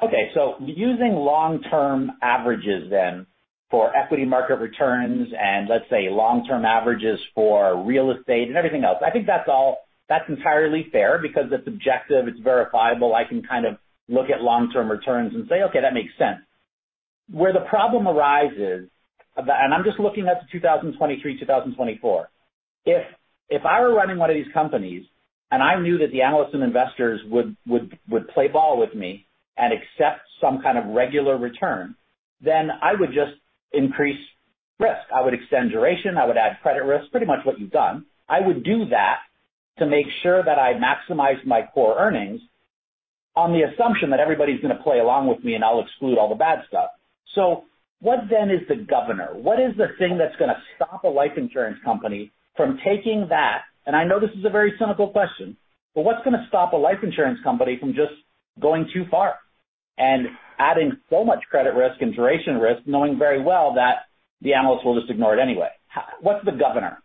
Okay. Using long-term averages then for equity market returns and let's say long-term averages for real estate and everything else, I think that's all that's entirely fair because it's objective, it's verifiable. I can kind of look at long-term returns and say, okay, that makes sense. Where the problem arises, and I'm just looking at the 2023, 2024. If I were running one of these companies and I knew that the analysts and investors would play ball with me and accept some kind of regular return, then I would just increase risk. I would extend duration, I would add credit risk, pretty much what you've done. I would do that to make sure that I maximize my core earnings on the assumption that everybody's gonna play along with me and I'll exclude all the bad stuff. What then is the governor? What is the thing that's gonna stop a life insurance company from taking that? I know this is a very cynical question, but what's gonna stop a life insurance company from just going too far and adding so much credit risk and duration risk, knowing very well that the analysts will just ignore it anyway? What's the governor?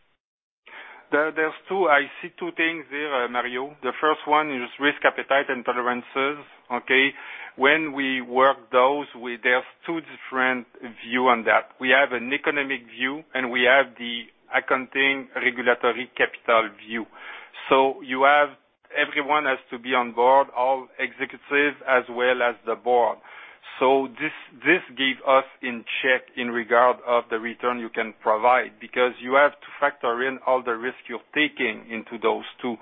I see two things here, Mario. The first one is risk appetite and tolerances, okay? When we work those, there's two different views on that. We have an economic view, and we have the accounting regulatory capital view. Everyone has to be on board, all executives as well as the board. This gives us in check in regard of the return you can provide because you have to factor in all the risk you're taking into those two.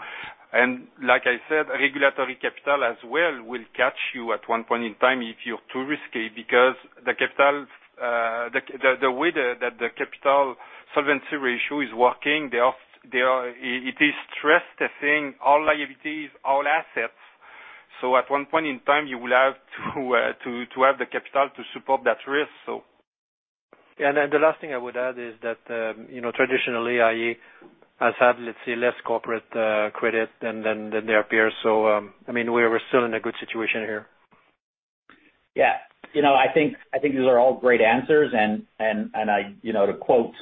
Like I said, regulatory capital as well will catch you at one point in time if you're too risky because the capital, the way the capital solvency ratio is working, it is stress testing all liabilities, all assets. At one point in time you will have to have the capital to support that risk. The last thing I would add is that, you know, traditionally, iA has had, let's say, less corporate credit than their peers. I mean, we're still in a good situation here. Yeah. You know, I think those are all great answers. You know, to quote,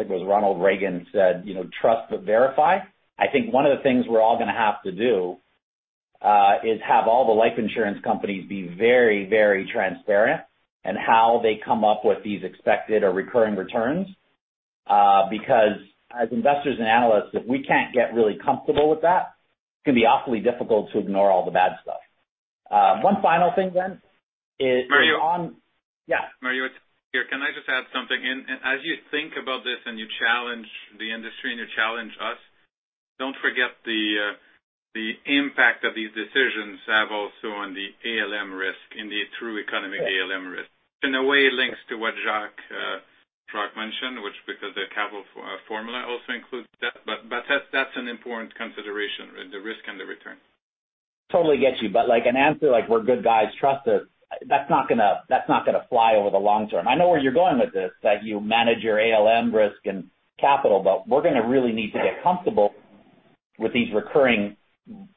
I think it was Ronald Reagan said, you know, "Trust but verify." I think one of the things we're all gonna have to do is have all the life insurance companies be very, very transparent in how they come up with these expected or recurring returns. Because as investors and analysts, if we can't get really comfortable with that, it's gonna be awfully difficult to ignore all the bad stuff. One final thing then is on. Mario. Yeah. Mario, it's Alain. Can I just add something? As you think about this and you challenge the industry and you challenge us, don't forget the impact that these decisions have also on the ALM risk, in the true economic ALM risk. In a way, it links to what Jacques mentioned, which because the capital formula also includes that. That's an important consideration, the risk and the return. Totally get you. Like an answer like, "We're good guys, trust us," that's not gonna fly over the long term. I know where you're going with this, that you manage your ALM risk and capital, but we're gonna really need to get comfortable with these recurring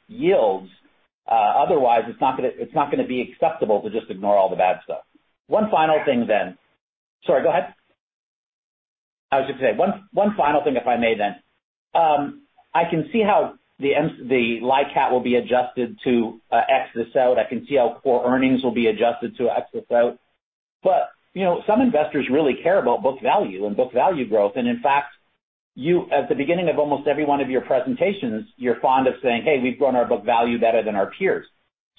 yields. Otherwise it's not gonna be acceptable to just ignore all the bad stuff. One final thing then. Sorry, go ahead. I was just gonna say one final thing, if I may then. I can see how the LICAT will be adjusted to X this out. I can see how core earnings will be adjusted to X this out. You know, some investors really care about book value and book value growth. In fact, you at the beginning of almost every one of your presentations, you're fond of saying, "Hey, we've grown our book value better than our peers."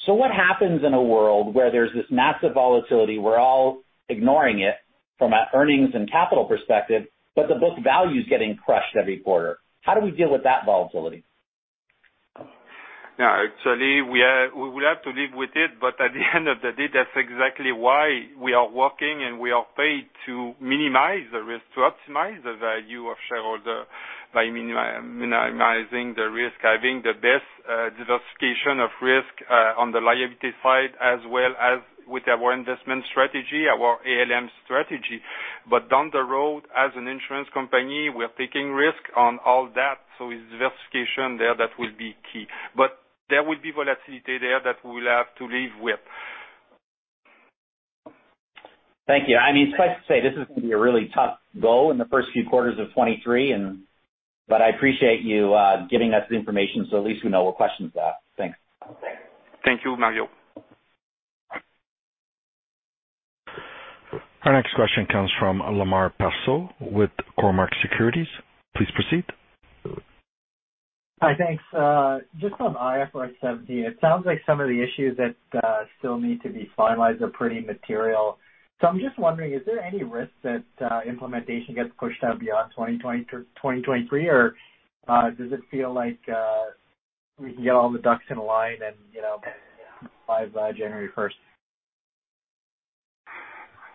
What happens in a world where there's this massive volatility, we're all ignoring it from an earnings and capital perspective, but the book value is getting crushed every quarter. How do we deal with that volatility? No, actually we will have to live with it. At the end of the day, that's exactly why we are working and we are paid to minimize the risk, to optimize the value of shareholder by minimizing the risk, having the best diversification of risk on the liability side as well as with our investment strategy, our ALM strategy. Down the road, as an insurance company, we are taking risk on all that, so it's diversification there that will be key. There will be volatility there that we will have to live with. Thank you. I mean, suffice to say, this is gonna be a really tough go in the first few quarters of 2023. I appreciate you giving us the information so at least we know what questions to ask. Thanks. Thank you, Mario. Our next question comes from Lemar Persaud with Cormark Securities. Please proceed. Hi. Thanks. Just on IFRS 17, it sounds like some of the issues that still need to be finalized are pretty material. I'm just wondering, is there any risk that implementation gets pushed out beyond 2020 to 2023 or does it feel like we can get all the ducks in line and, you know, by January 1?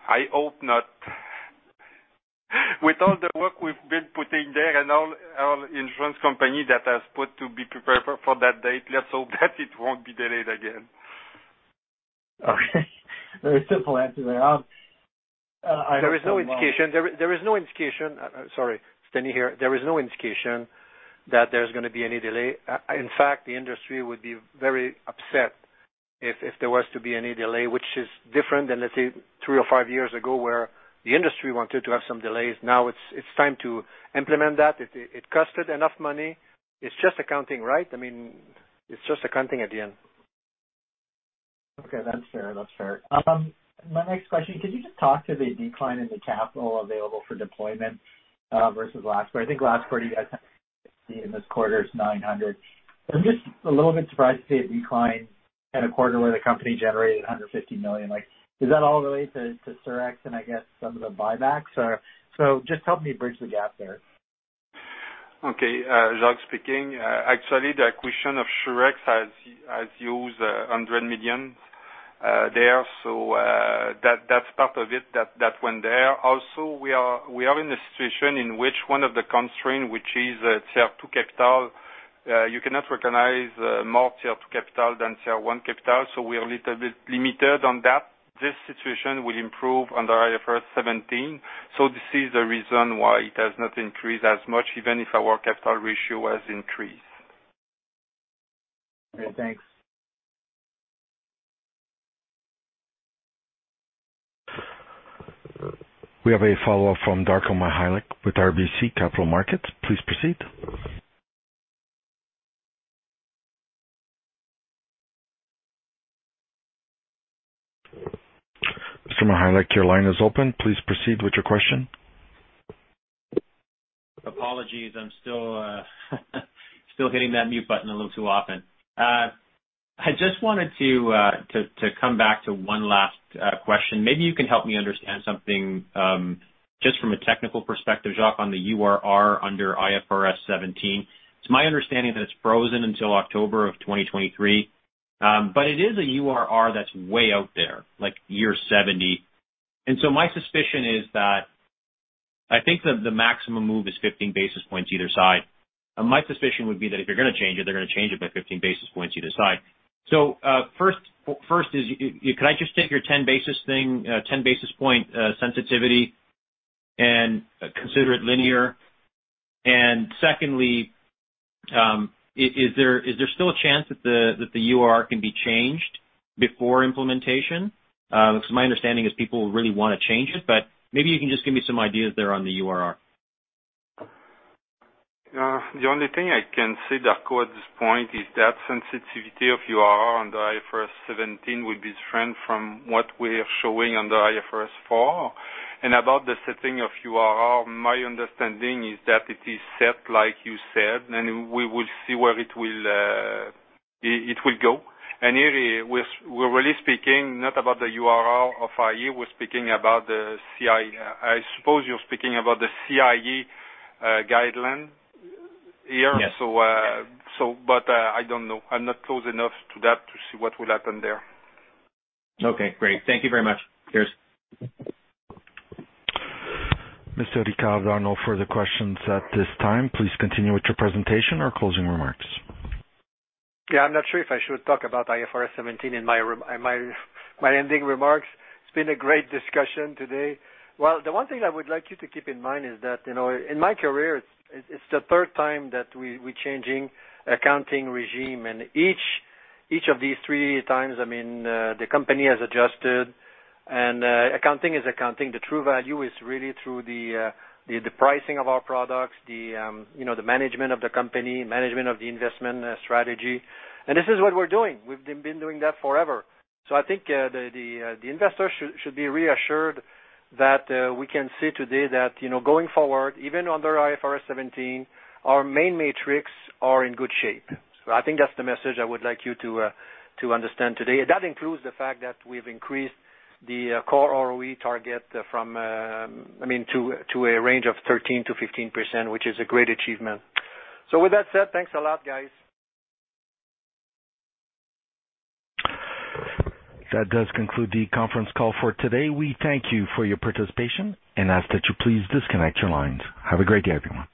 I hope not. With all the work we've been putting there and all, insurance companies that have got to be prepared for that date, let's hope that it won't be delayed again. Okay. Very simple answer there. I have some, There is no indication. Sorry. Denis Ricard here. There is no indication that there's gonna be any delay. In fact, the industry would be very upset if there was to be any delay, which is different than, let's say, three or five years ago where the industry wanted to have some delays. Now it's time to implement that. It costed enough money. It's just accounting, right? I mean, it's just accounting at the end. Okay. That's fair. My next question, could you just talk to the decline in the capital available for deployment versus last quarter? I think last quarter you guys had In this quarter it's 900. I'm just a little bit surprised to see a decline in a quarter where the company generated 150 million. Like, does that all relate to Surex and I guess some of the buybacks are. Just help me bridge the gap there. Jacques speaking. Actually, the acquisition of Surex has used 100 million there. That's part of it that went there. Also, we are in a situation in which one of the constraints, which is Tier 2 capital, you cannot recognize more Tier 2 capital than Tier 1 capital, so we are a little bit limited on that. This situation will improve under IFRS 17, so this is the reason why it has not increased as much even if our capital ratio has increased. Okay, thanks. We have a follow-up from Darko Mihelic with RBC Capital Markets. Please proceed. Mr. Mihelic, your line is open. Please proceed with your question. Apologies. I'm still hitting that mute button a little too often. I just wanted to come back to one last question. Maybe you can help me understand something just from a technical perspective, Jacques, on the URR under IFRS 17. It's my understanding that it's frozen until October of 2023. But it is a URR that's way out there, like year 70. My suspicion is that I think the maximum move is 15 basis points either side. My suspicion would be that if they're gonna change it, they're gonna change it by 15 basis points either side. First, can I just take your 10 basis thing, 10 basis point sensitivity and consider it linear? Secondly, is there still a chance that the URR can be changed before implementation? Because my understanding is people really wanna change it, but maybe you can just give me some ideas there on the URR. The only thing I can say, Darko, at this point is that sensitivity of URR on the IFRS 17 will be different from what we are showing on the IFRS 4. About the setting of URR, my understanding is that it is set like you said, and we will see where it will go. Here we're really speaking not about the URR of iA, we're speaking about the CIE. I suppose you're speaking about the CIE guideline here. Yes. I don't know. I'm not close enough to that to see what will happen there. Okay, great. Thank you very much. Cheers. Mr. Ricard, there are no further questions at this time. Please continue with your presentation or closing remarks. Yeah, I'm not sure if I should talk about IFRS 17 in my ending remarks. It's been a great discussion today. Well, the one thing I would like you to keep in mind is that, you know, in my career it's the third time that we're changing accounting regime. Each of these three times, I mean, the company has adjusted and, accounting is accounting. The true value is really through the pricing of our products, you know, the management of the company, management of the investment strategy. This is what we're doing. We've been doing that forever. I think the investors should be reassured that we can say today that, you know, going forward, even under IFRS 17, our main metrics are in good shape. I think that's the message I would like you to understand today. That includes the fact that we've increased the core ROE target from I mean to a range of 13%-15%, which is a great achievement. With that said, thanks a lot, guys. That does conclude the conference call for today. We thank you for your participation and ask that you please disconnect your lines. Have a great day, everyone.